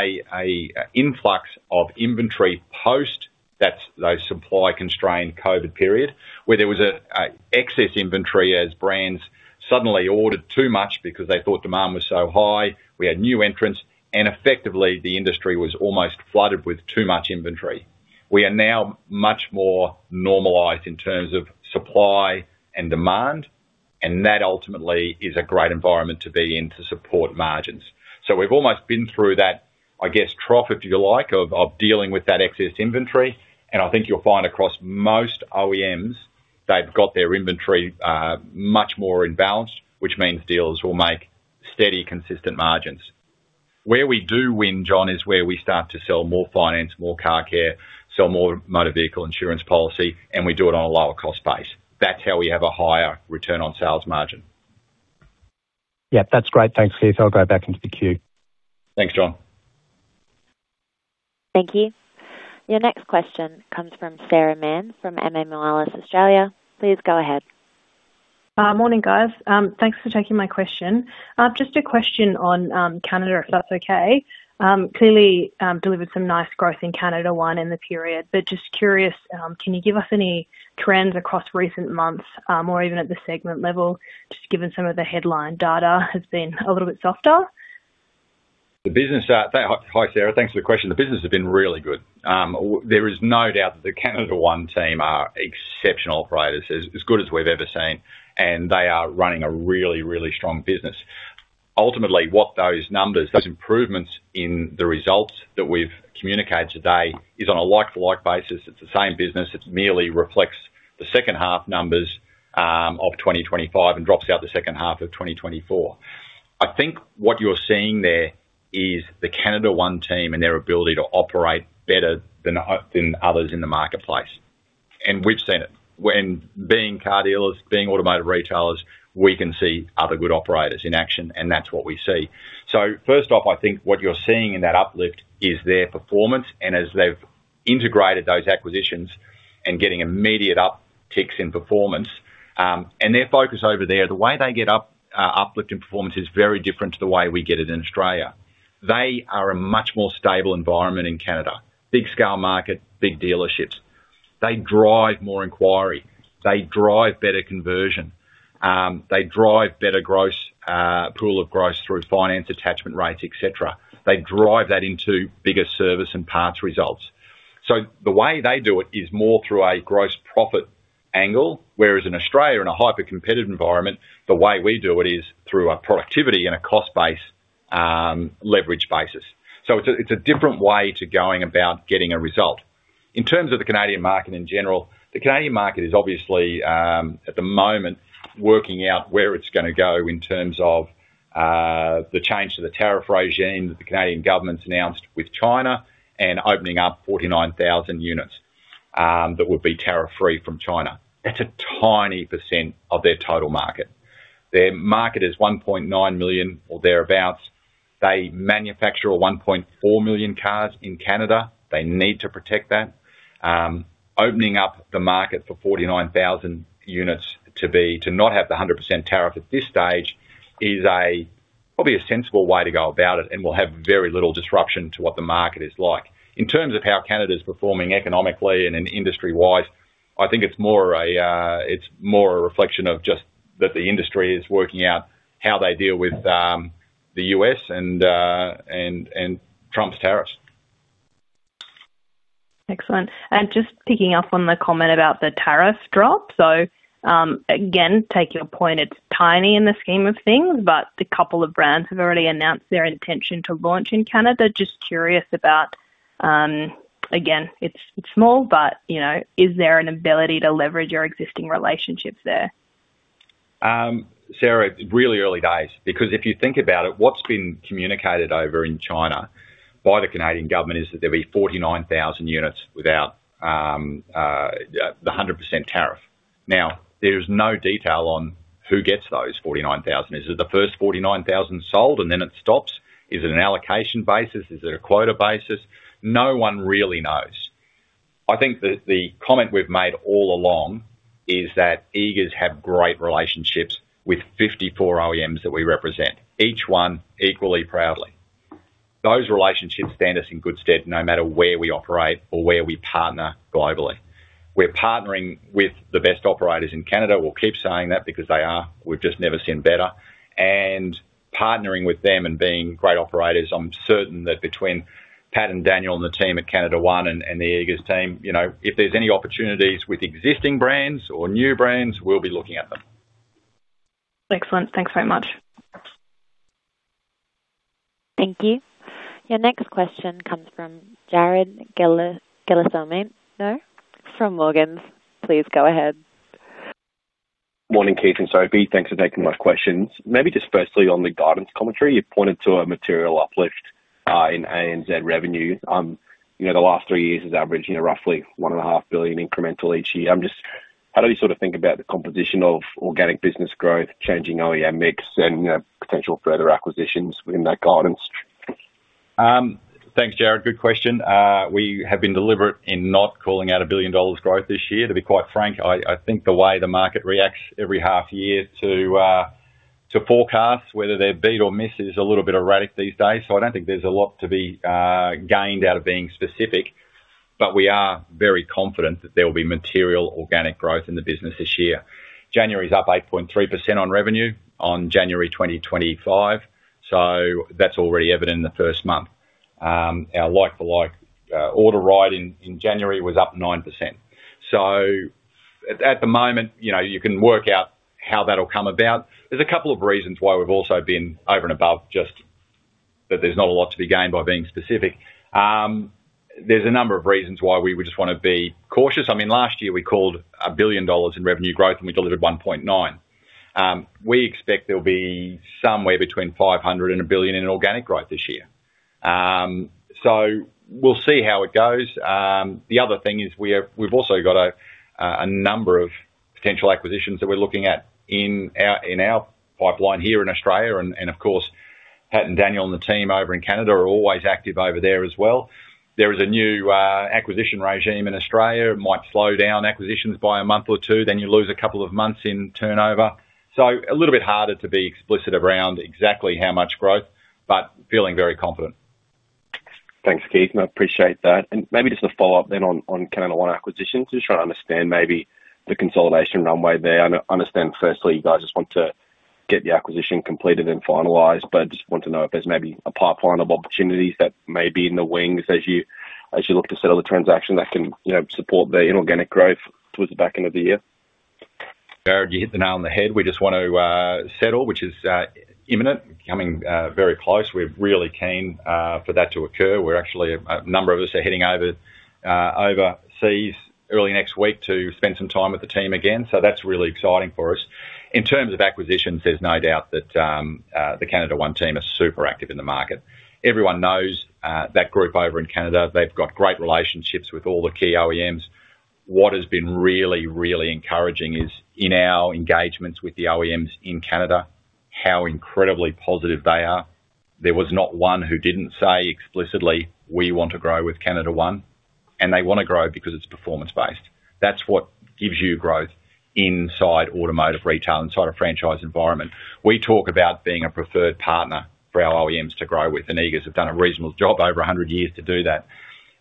influx of inventory post, that's those supply constrained COVID period, where there was excess inventory as brands suddenly ordered too much because they thought demand was so high. We had new entrants, and effectively the industry was almost flooded with too much inventory. We are now much more normalized in terms of supply and demand, and that ultimately is a great environment to be in to support margins. So we've almost been through that, I guess, trough, if you like, of dealing with that excess inventory. I think you'll find across most OEMs, they've got their inventory much more in balance, which means dealers will make steady, consistent margins. Where we do win, John, is where we start to sell more finance, more car care, sell more motor vehicle insurance policy, and we do it on a lower cost base. That's how we have a higher return on sales margin. Yeah, that's great. Thanks, Keith. I'll go back into the queue. Thanks, John. Thank you. Your next question comes from Sarah Mann from Moelis Australia. Please go ahead. Morning, guys. Thanks for taking my question. Just a question on Canada, if that's okay. Clearly, delivered some nice growth in CanadaOne in the period, but just curious, can you give us any trends across recent months, or even at the segment level, just given some of the headline data has been a little bit softer? The business. Hi, Sarah. Thanks for the question. The business has been really good. There is no doubt that the CanadaOne team are exceptional operators, as good as we've ever seen, and they are running a really, really strong business. Ultimately, what those numbers, those improvements in the results that we've communicated today, is on a like-for-like basis, it's the same business. It merely reflects the second half numbers of 2025 and drops out the second half of 2024. I think what you're seeing there is the CanadaOne team and their ability to operate better than others in the marketplace. And we've seen it. When being car dealers, being automotive retailers, we can see other good operators in action, and that's what we see. So first off, I think what you're seeing in that uplift is their performance, and as they've integrated those acquisitions and getting immediate upticks in performance. And their focus over there, the way they get uplift in performance is very different to the way we get it in Australia. They are a much more stable environment in Canada, big scale market, big dealerships. They drive more inquiry. They drive better conversion. They drive better gross pool of gross through finance attachment rates, et cetera. They drive that into bigger service and parts results. So the way they do it is more through a gross profit angle, whereas in Australia, in a hyper-competitive environment, the way we do it is through a productivity and a cost base leverage basis. So it's a different way to going about getting a result. In terms of the Canadian market in general, the Canadian market is obviously, at the moment, working out where it's gonna go in terms of, the change to the tariff regime that the Canadian government's announced with China, and opening up 49,000 units, that would be tariff-free from China. That's a tiny percent of their total market. Their market is 1.9 million or thereabout. They manufacture 1.4 million cars in Canada. They need to protect that. Opening up the market for 49,000 units to be, to not have the 100% tariff at this stage, is a, probably a sensible way to go about it and will have very little disruption to what the market is like. In terms of how Canada's performing economically and industry-wise, I think it's more a, it's more a reflection of just that the industry is working out how they deal with, the U.S. and, and Trump's tariffs. Excellent. And just picking up on the comment about the tariff drop. So, again, take your point, it's tiny in the scheme of things, but the couple of brands have already announced their intention to launch in Canada. Just curious about, again, it's small, but, you know, is there an ability to leverage your existing relationships there? Sarah, it's really early days, because if you think about it, what's been communicated over in China by the Canadian government is that there'll be 49,000 units without the 100% tariff. Now, there's no detail on who gets those 49,000. Is it the first 49,000 sold and then it stops? Is it an allocation basis? Is it a quota basis? No one really knows. I think that the comment we've made all along is that Eagers have great relationships with 54 OEMs that we represent, each one equally proudly. Those relationships stand us in good stead, no matter where we operate or where we partner globally. We're partnering with the best operators in Canada. We'll keep saying that because they are. We've just never seen better. Partnering with them and being great operators, I'm certain that between Pat and Daniel and the team at CanadaOne and the Eagers team, you know, if there's any opportunities with existing brands or new brands, we'll be looking at them. Excellent. Thanks very much. Thank you. Your next question comes from Jared Gelsomino from Morgans. Please go ahead. Morning, Keith and Sophie. Thanks for taking my questions. Maybe just firstly, on the guidance commentary, you pointed to a material uplift in ANZ revenue. You know, the last three years has averaged, you know, roughly 1.5 billion incremental each year. I'm just, how do you sort of think about the composition of organic business growth, changing OEM mix and, you know, potential further acquisitions within that guidance? Thanks, Jared. Good question. We have been deliberate in not calling out 1 billion dollars growth this year. To be quite frank, I think the way the market reacts every half year to forecasts, whether they're beat or miss, is a little bit erratic these days. I don't think there's a lot to be gained out of being specific, but we are very confident that there will be material organic growth in the business this year. January's up 8.3% on revenue on January 2025, so that's already evident in the first month. Our like-for-like order write in January was up 9%. At the moment, you know, you can work out how that'll come about. There's a couple of reasons why we've also been over and above, just that there's not a lot to be gained by being specific. There's a number of reasons why we would just wanna be cautious. I mean, last year we called 1 billion dollars in revenue growth, and we delivered 1.9 billion. I mean, we expect there'll be somewhere between 500 million-1 billion in organic growth this year. We'll see how it goes. The other thing is, we've also got a number of potential acquisitions that we're looking at in our pipeline here in Australia. Of course, Pat and Daniel and the team over in Canada are always active over there as well. There is a new acquisition regime in Australia. It might slow down acquisitions by a month or two, then you lose a couple of months in turnover. So a little bit harder to be explicit around exactly how much growth, but feeling very confident. Thanks, Keith, and I appreciate that. And maybe just a follow-up then on CanadaOne acquisitions, just trying to understand maybe the consolidation runway there. I understand firstly, you guys just want to get the acquisition completed and finalized, but just want to know if there's maybe a pipeline of opportunities that may be in the wings as you look to settle the transaction that can, you know, support the inorganic growth towards the back end of the year. Jared, you hit the nail on the head. We just want to settle, which is imminent, becoming very close. We're really keen for that to occur. We're actually a number of us are heading over overseas early next week to spend some time with the team again, so that's really exciting for us. In terms of acquisitions, there's no doubt that the CanadaOne team are super active in the market. Everyone knows that group over in Canada. They've got great relationships with all the key OEMs. What has been really, really encouraging is in our engagements with the OEMs in Canada, how incredibly positive they are. There was not one who didn't say explicitly, "We want to grow with CanadaOne," and they want to grow because it's performance based. That's what gives you growth inside automotive retail, inside a franchise environment. We talk about being a preferred partner for our OEMs to grow with, and Eagers have done a reasonable job over 100 years to do that.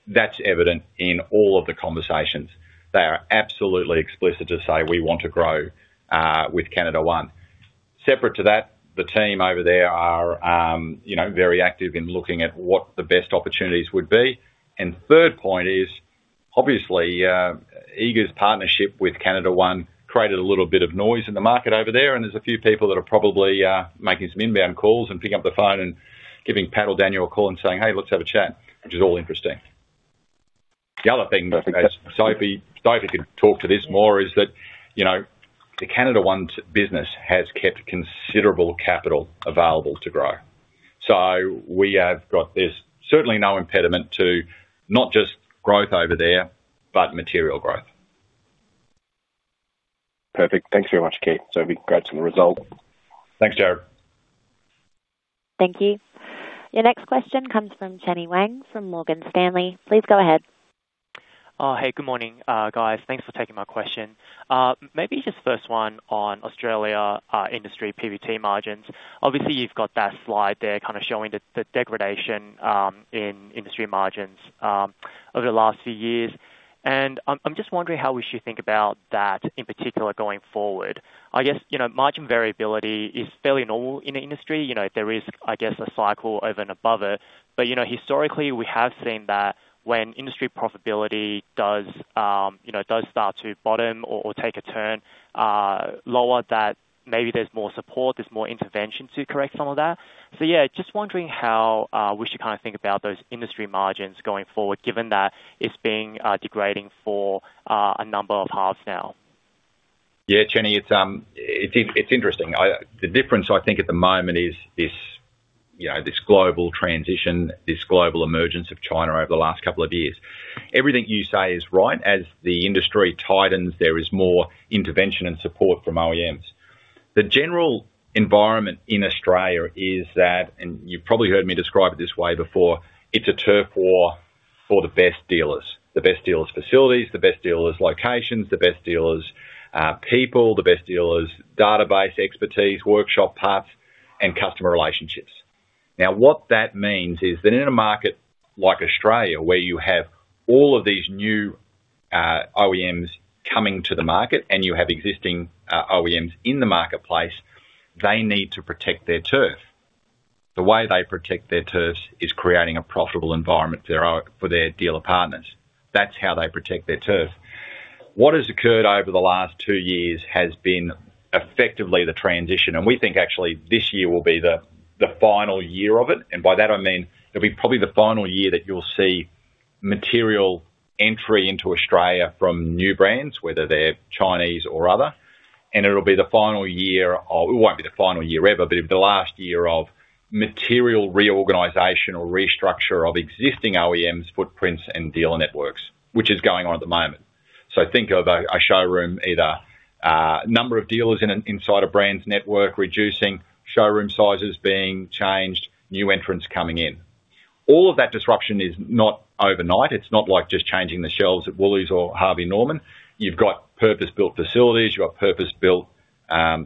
That's evident in all of the conversations. They are absolutely explicit to say, "We want to grow with CanadaOne." Separate to that, the team over there are, you know, very active in looking at what the best opportunities would be. And third point is, obviously, Eagers' partnership with CanadaOne created a little bit of noise in the market over there, and there's a few people that are probably making some inbound calls and picking up the phone and giving Pat or Daniel a call and saying, "Hey, let's have a chat," which is all interesting. The other thing that Sophie could talk to this more, is that, you know, the CanadaOne's business has kept considerable capital available to grow. So we have got this, certainly no impediment to not just growth over there, but material growth. Perfect. Thanks very much, Keith. Sophie, great result. Thanks, Jared. Thank you. Your next question comes from Chenny Wang, from Morgan Stanley. Please go ahead. Hey, good morning, guys. Thanks for taking my question. Maybe just first one on Australia, industry PBT margins. Obviously, you've got that slide there kind of showing the degradation in industry margins over the last few years. I'm just wondering how we should think about that in particular going forward. I guess, you know, margin variability is fairly normal in the industry. You know, there is, I guess, a cycle over and above it, but, you know, historically we have seen that when industry profitability does, you know, does start to bottom or take a turn lower, that maybe there's more support, there's more intervention to correct some of that. So yeah, just wondering how we should kinda think about those industry margins going forward, given that it's been degrading for a number of halves now. Yeah, Chenny, it's interesting. I think the difference at the moment is this, you know, this global transition, this global emergence of China over the last couple of years. Everything you say is right. As the industry tightens, there is more intervention and support from OEMs. The general environment in Australia is that, and you've probably heard me describe it this way before, it's a turf war for the best dealers, the best dealers' facilities, the best dealers' locations, the best dealers', people, the best dealers' database, expertise, workshop paths, and customer relationships. Now, what that means is that in a market like Australia, where you have all of these new OEMs coming to the market, and you have existing OEMs in the marketplace, they need to protect their turf. The way they protect their turf is creating a profitable environment for our, for their dealer partners. That's how they protect their turf... What has occurred over the last two years has been effectively the transition, and we think actually this year will be the final year of it. And by that I mean, it'll be probably the final year that you'll see material entry into Australia from new brands, whether they're Chinese or other, and it'll be the final year of- it won't be the final year ever, but the last year of material reorganization or restructure of existing OEMs, footprints, and dealer networks, which is going on at the moment. So think of a showroom, either number of dealers in an inside a brand's network, reducing showroom sizes being changed, new entrants coming in. All of that disruption is not overnight. It's not like just changing the shelves at Woolies or Harvey Norman. You've got purpose-built facilities, you've got purpose-built,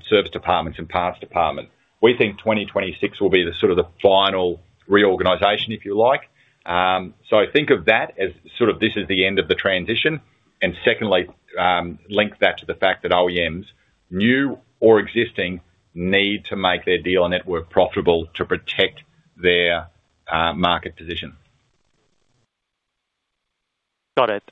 service departments and parts department. We think 2026 will be the sort of the final reorganization, if you like. So think of that as sort of this is the end of the transition, and secondly, link that to the fact that OEMs, new or existing, need to make their dealer network profitable to protect their, market position. Got it.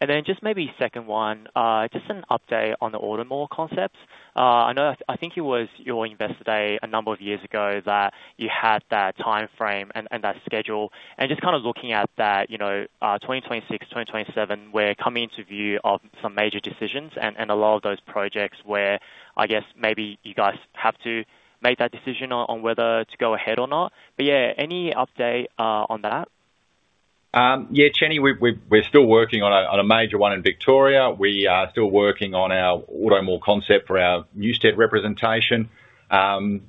And then just maybe second one, just an update on the Auto Mall concepts. I know, I think it was your Investor Day a number of years ago that you had that timeframe and, and that schedule. And just kind of looking at that, you know, 2026, 2027, we're coming into view of some major decisions and, and a lot of those projects where I guess maybe you guys have to make that decision on, on whether to go ahead or not. But yeah, any update on that? Yeah, Chenny, we're still working on a major one in Victoria. We are still working on our Auto Mall concept for our new state representation. Aspley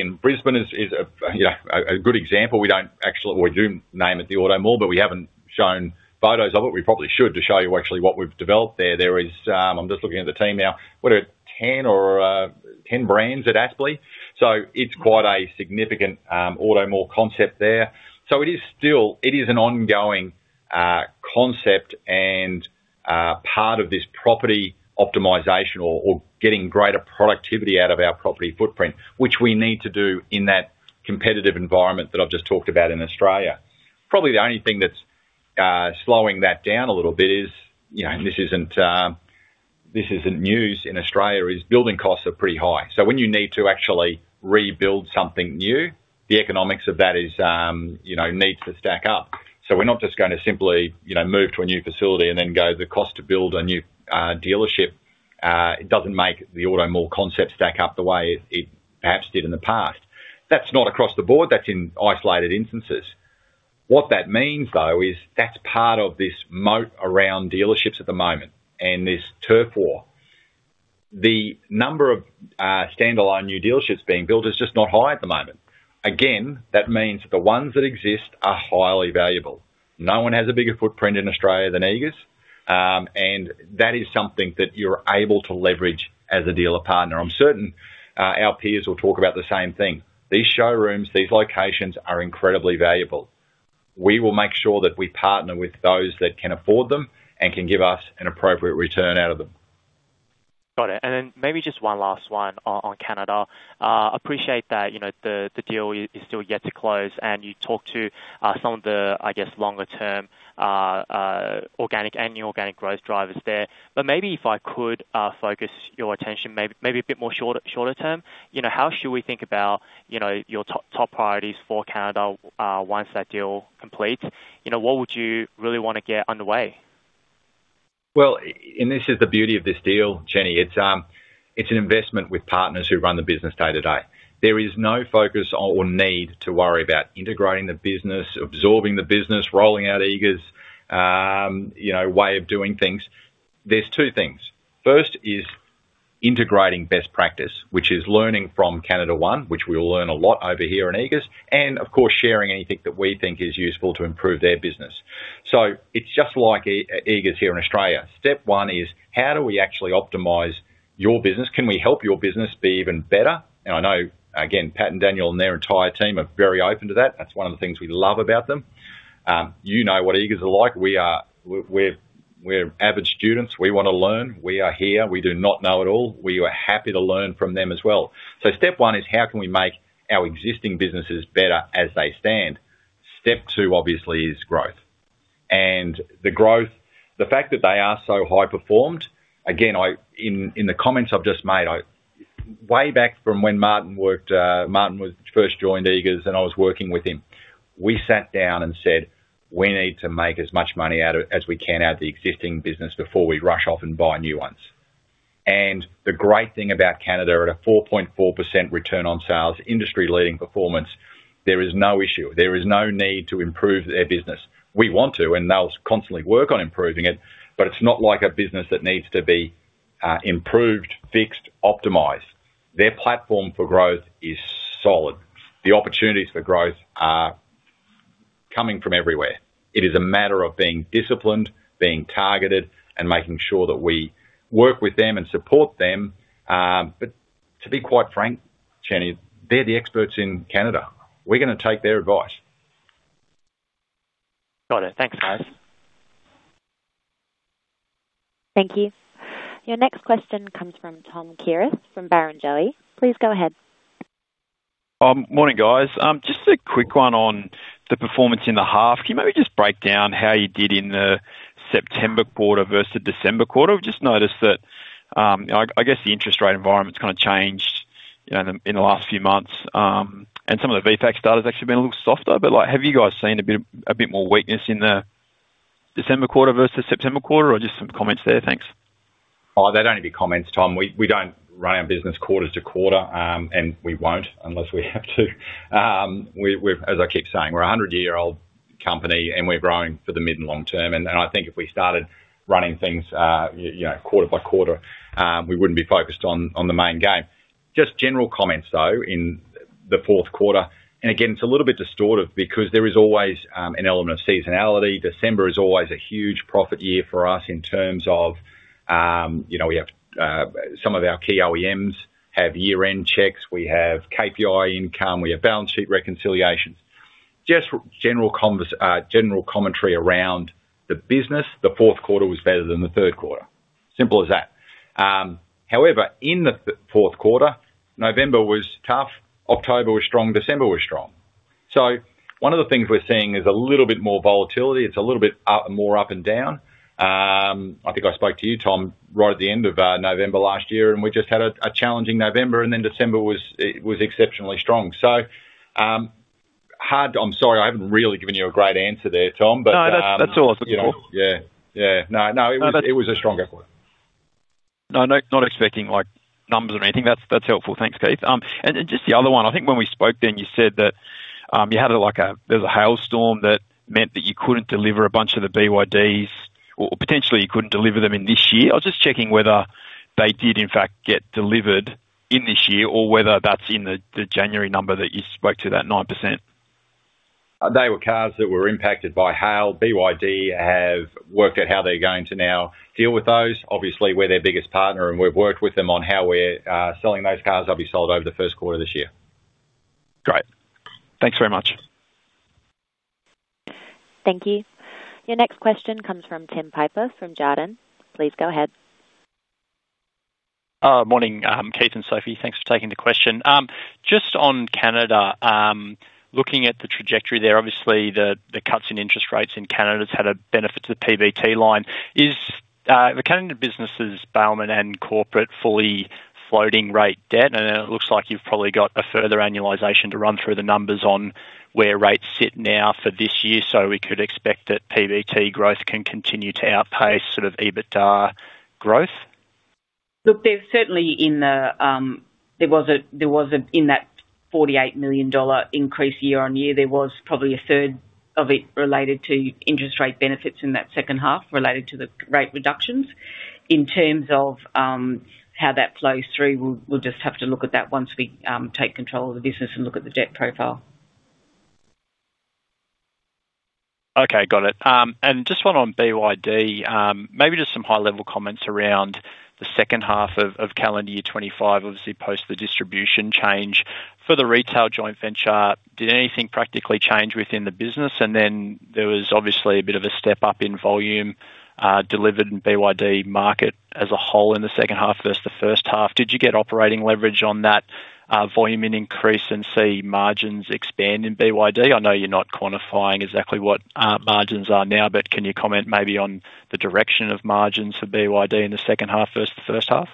in Brisbane is, you know, a good example. We don't actually... We do name it the Auto Mall, but we haven't shown photos of it. We probably should to show you actually what we've developed there. There is, I'm just looking at the team now. What are 10 brands at Aspley? So it's quite a significant Auto Mall concept there. So it is still an ongoing concept and part of this property optimization or getting greater productivity out of our property footprint, which we need to do in that competitive environment that I've just talked about in Australia. Probably the only thing that's slowing that down a little bit is, you know, and this isn't this isn't news in Australia, is building costs are pretty high. So when you need to actually rebuild something new, the economics of that is, you know, needs to stack up. So we're not just gonna simply, you know, move to a new facility and then go, the cost to build a new dealership it doesn't make the Auto Mall concept stack up the way it it perhaps did in the past. That's not across the board, that's in isolated instances. What that means, though, is that's part of this moat around dealerships at the moment, and this turf war. The number of standalone new dealerships being built is just not high at the moment. Again, that means the ones that exist are highly valuable. No one has a bigger footprint in Australia than Eagers, and that is something that you're able to leverage as a dealer partner. I'm certain, our peers will talk about the same thing. These showrooms, these locations, are incredibly valuable. We will make sure that we partner with those that can afford them, and can give us an appropriate return out of them. Got it. And then maybe just one last one on Canada. Appreciate that, you know, the deal is still yet to close, and you talked to some of the, I guess, longer term organic and inorganic growth drivers there. But maybe if I could focus your attention, maybe a bit more shorter term. You know, how should we think about, you know, your top priorities for Canada once that deal completes? You know, what would you really want to get underway? Well, this is the beauty of this deal, Chenny. It's an investment with partners who run the business day-to-day. There is no focus or need to worry about integrating the business, absorbing the business, rolling out Eagers', you know, way of doing things. There's two things. First is integrating best practice, which is learning from CanadaOne, which we'll learn a lot over here in Eagers, and of course, sharing anything that we think is useful to improve their business. It's just like Eagers here in Australia. Step one is, how do we actually optimize your business? Can we help your business be even better? I know, again, Pat and Daniel and their entire team are very open to that. That's one of the things we love about them. You know what Eagers are like? We are... We're, we're avid students. We wanna learn. We are here. We do not know it all. We are happy to learn from them as well. So step one is, how can we make our existing businesses better as they stand? Step two, obviously, is growth. And the growth, the fact that they are so high performed, again, in the comments I've just made, way back from when Martin Ward first joined Eagers, and I was working with him, we sat down and said, "We need to make as much money out of, as we can, out of the existing business before we rush off and buy new ones." And the great thing about Canada, at a 4.4% return on sales, industry-leading performance, there is no issue. There is no need to improve their business. We want to, and they'll constantly work on improving it, but it's not like a business that needs to be improved, fixed, optimized. Their platform for growth is solid. The opportunities for growth are coming from everywhere. It is a matter of being disciplined, being targeted, and making sure that we work with them and support them, but to be quite frank, Chenny, they're the experts in Canada. We're gonna take their advice. Got it. Thanks, guys. Thank you. Your next question comes from Tom Kierath from Barrenjoey. Please go ahead. Morning, guys. Just a quick one on the performance in the half. Can you maybe just break down how you did in the September quarter versus December quarter? I've just noticed that, I guess, the interest rate environment's kind of changed, you know, in the last few months, and some of the VFACTS data has actually been a little softer, but, like, have you guys seen a bit, a bit more weakness in the December quarter versus September quarter, or just some comments there? Thanks. There don't need to be comments, Tom. We don't run our business quarter to quarter, and we won't, unless we have to. We're a hundred-year-old company, and we're growing for the mid and long term, and I think if we started running things, you know, quarter by quarter, we wouldn't be focused on the main game. Just general comments, though, in the fourth quarter, and again, it's a little bit distorted because there is always an element of seasonality. December is always a huge profit year for us in terms of, you know, we have some of our key OEMs have year-end checks, we have KPI income, we have balance sheet reconciliations. Just general commentary around the business, the fourth quarter was better than the third quarter. Simple as that. However, in the fourth quarter, November was tough, October was strong, December was strong. So one of the things we're seeing is a little bit more volatility. It's a little bit up, more up and down. I think I spoke to you, Tom, right at the end of November last year, and we just had a challenging November, and then December was exceptionally strong. I'm sorry, I haven't really given you a great answer there, Tom, but- No, that's all I was looking for. Yeah. Yeah. No, no- No, but- It was a stronger quarter. No, I'm not, not expecting, like, numbers or anything. That's, that's helpful. Thanks, Keith. And just the other one, I think when we spoke then, you said that you had, like, there was a hailstorm that meant that you couldn't deliver a bunch of the BYDs or, or potentially you couldn't deliver them in this year. I was just checking whether they did in fact get delivered in this year, or whether that's in the January number that you spoke to, that 9%? They were cars that were impacted by hail. BYD have worked out how they're going to now deal with those. Obviously, we're their biggest partner, and we've worked with them on how we're selling those cars. They'll be sold over the first quarter of this year. Great. Thanks very much. Thank you. Your next question comes from Tim Piper, from Jarden. Please go ahead. Morning, Keith and Sophie. Thanks for taking the question. Just on Canada, looking at the trajectory there, obviously the cuts in interest rates in Canada has had a benefit to the PBT line. Is the Canada businesses, Bailman and Corporate, fully floating rate debt? I know it looks like you've probably got a further annualization to run through the numbers on where rates sit now for this year, so we could expect that PBT growth can continue to outpace sort of EBITDA growth. Look, there's certainly in the. There was in that 48 million dollar increase year-on-year, there was probably 1/3 of it related to interest rate benefits in that second half related to the rate reductions. In terms of, how that flows through, we'll just have to look at that once we take control of the business and look at the debt profile. Okay, got it. And just one on BYD, maybe just some high-level comments around the second half of calendar year 2025, obviously post the distribution change. For the retail joint venture, did anything practically change within the business? And then there was obviously a bit of a step up in volume delivered in BYD market as a whole in the second half versus the first half. Did you get operating leverage on that volume increase and see margins expand in BYD? I know you're not quantifying exactly what margins are now, but can you comment maybe on the direction of margins for BYD in the second half versus the first half?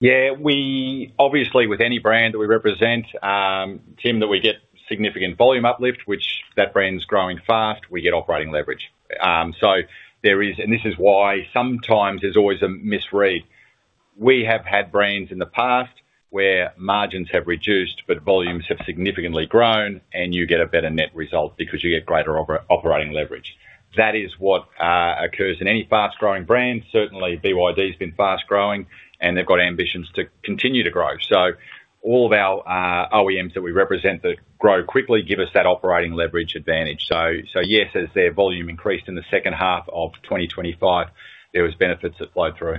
Yeah. We obviously, with any brand that we represent, Tim, that we get significant volume uplift, which that brand's growing fast, we get operating leverage. So there is, and this is why sometimes there's always a misread. We have had brands in the past where margins have reduced, but volumes have significantly grown, and you get a better net result because you get greater operating leverage. That is what occurs in any fast-growing brand. Certainly, BYD's been fast-growing, and they've got ambitions to continue to grow. So all of our OEMs that we represent that grow quickly, give us that operating leverage advantage. So yes, as their volume increased in the second half of 2025, there was benefits that flowed through.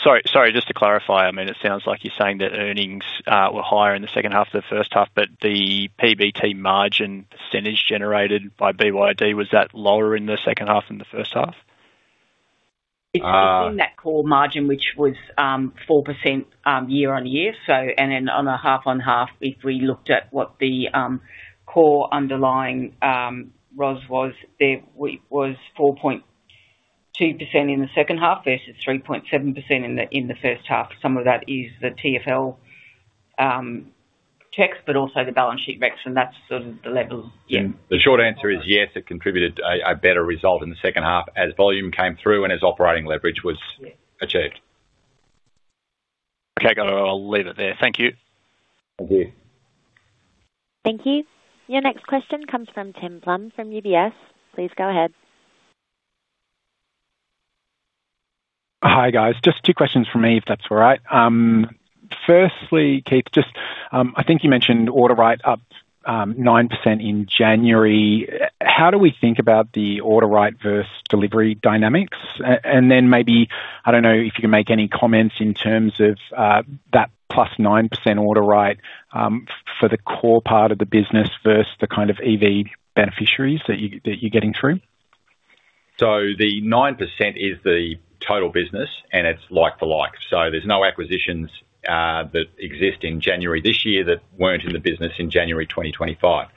Sorry, sorry, just to clarify, I mean, it sounds like you're saying that earnings were higher in the second half than the first half, but the PBT margin percentage generated by BYD, was that lower in the second half than the first half? It's within that core margin, which was 4%, year-on-year. So, and then on a half-on-half, if we looked at what the core underlying ROS was, there we was 4.2% in the second half versus 3.7% in the first half. Some of that is the TFL checks, but also the balance sheet recs, and that's sort of the level. Yeah. The short answer is yes, it contributed a better result in the second half as volume came through and as operating leverage was--achieved. Okay, got it. I'll leave it there. Thank you. Thank you. Thank you. Your next question comes from Tim Plumbe, from UBS. Please go ahead. Hi, guys. Just two questions from me, if that's all right. Firstly, Keith, just, I think you mentioned order right up 9% in January. How do we think about the order right versus delivery dynamics? And then maybe, I don't know if you can make any comments in terms of that +9% order right for the core part of the business versus the kind of EV beneficiaries that you're getting through? So the 9% is the total business, and it's like for like, so there's no acquisitions that exist in January this year that weren't in the business in January 2025.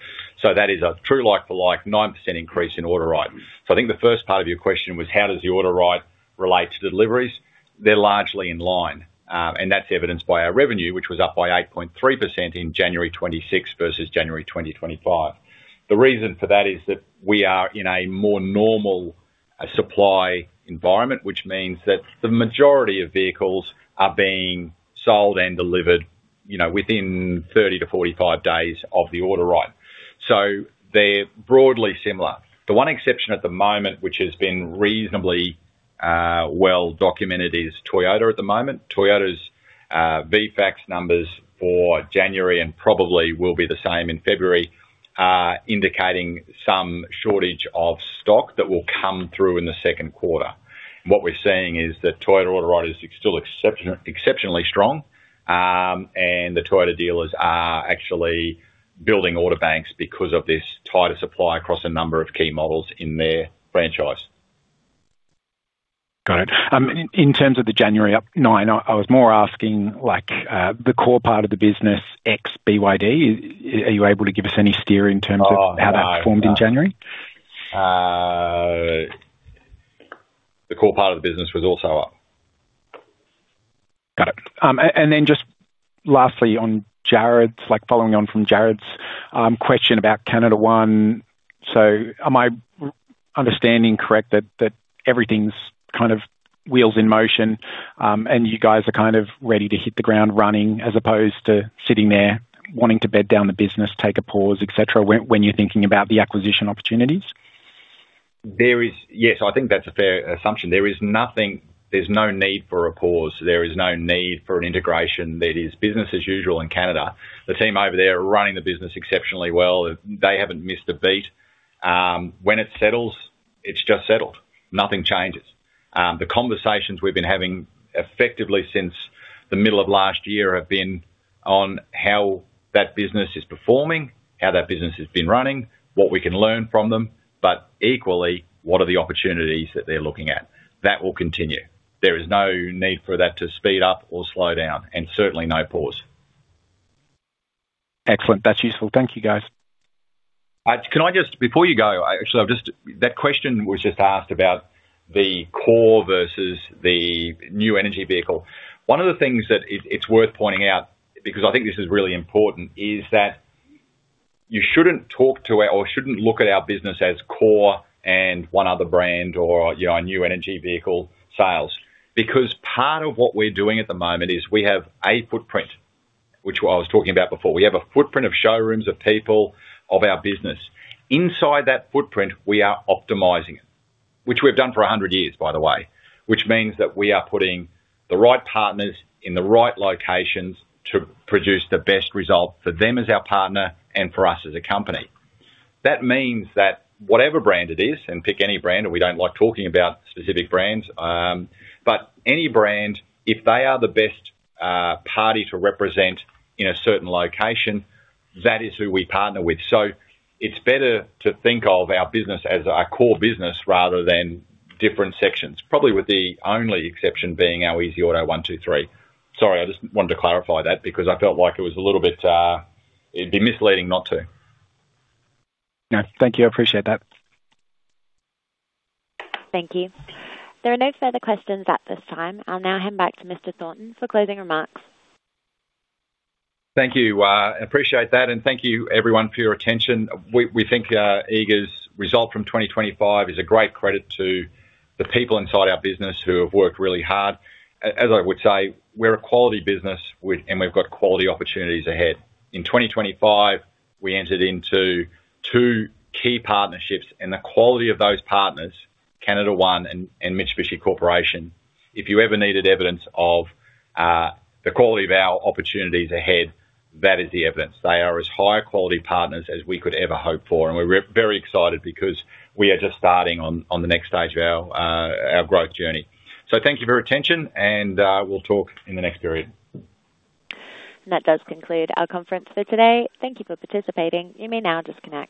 So that is a true like for like 9% increase in order write. So I think the first part of your question was, how does the order write relate to deliveries? They're largely in line. And that's evidenced by our revenue, which was up by 8.3% in January 2026 versus January 2025. The reason for that is that we are in a more normal supply environment, which means that the majority of vehicles are being sold and delivered, you know, within 30-45 days of the order write. So they're broadly similar. The one exception at the moment, which has been reasonably well documented, is Toyota at the moment. Toyota's VFACTS numbers for January, and probably will be the same in February, are indicating some shortage of stock that will come through in the second quarter. What we're seeing is that Toyota order write is still exceptionally strong, and the Toyota dealers are actually building order banks because of this tighter supply across a number of key models in their franchise. Got it. In terms of the January +9%, I was more asking, like, the core part of the business ex BYD. Are you able to give us any steer in terms of how that performed in January? The core part of the business was also up. Got it. And then just lastly, on Jared's, like, following on from Jared's question about CanadaOne. So am I understanding correct that everything's kind of wheels in motion, and you guys are kind of ready to hit the ground running, as opposed to sitting there wanting to bed down the business, take a pause, et cetera, when you're thinking about the acquisition opportunities? Yes, I think that's a fair assumption. There is nothing, there's no need for a pause. There is no need for an integration. It is business as usual in Canada. The team over there are running the business exceptionally well. They haven't missed a beat. When it settles, it's just settled. Nothing changes. The conversations we've been having effectively since the middle of last year have been on how that business is performing, how that business has been running, what we can learn from them, but equally, what are the opportunities that they're looking at? That will continue. There is no need for that to speed up or slow down, and certainly no pause. Excellent. That's useful. Thank you, guys. Can I just, before you go, actually, that question was just asked about the core versus the new energy vehicle. One of the things, it's worth pointing out, because I think this is really important, is that you shouldn't talk to, or shouldn't look at our business as core and one other brand, or, you know, a new energy vehicle sales. Because part of what we're doing at the moment is, we have a footprint, which I was talking about before. We have a footprint of showrooms, of people, of our business. Inside that footprint, we are optimizing it. Which we've done for 100 years, by the way. Which means that we are putting the right partners in the right locations to produce the best result for them as our partner, and for us as a company. That means that whatever brand it is, and pick any brand, and we don't like talking about specific brands, but any brand, if they are the best party to represent in a certain location, that is who we partner with. So it's better to think of our business as our core business rather than different sections. Probably with the only exception being our easyauto123. Sorry, I just wanted to clarify that because I felt like it was a little bit, it'd be misleading not to. No, thank you. I appreciate that. Thank you. There are no further questions at this time. I'll now hand back to Mr. Thornton for closing remarks. Thank you. Appreciate that, and thank you everyone for your attention. We think Eagers' result from 2025 is a great credit to the people inside our business who have worked really hard. As I would say, we're a quality business with, and we've got quality opportunities ahead. In 2025, we entered into two key partnerships, and the quality of those partners, CanadaOne and Mitsubishi Corporation. If you ever needed evidence of the quality of our opportunities ahead, that is the evidence. They are as high quality partners as we could ever hope for, and we're very excited because we are just starting on the next stage of our growth journey. So thank you for your attention, and we'll talk in the next period. That does conclude our conference for today. Thank you for participating. You may now disconnect.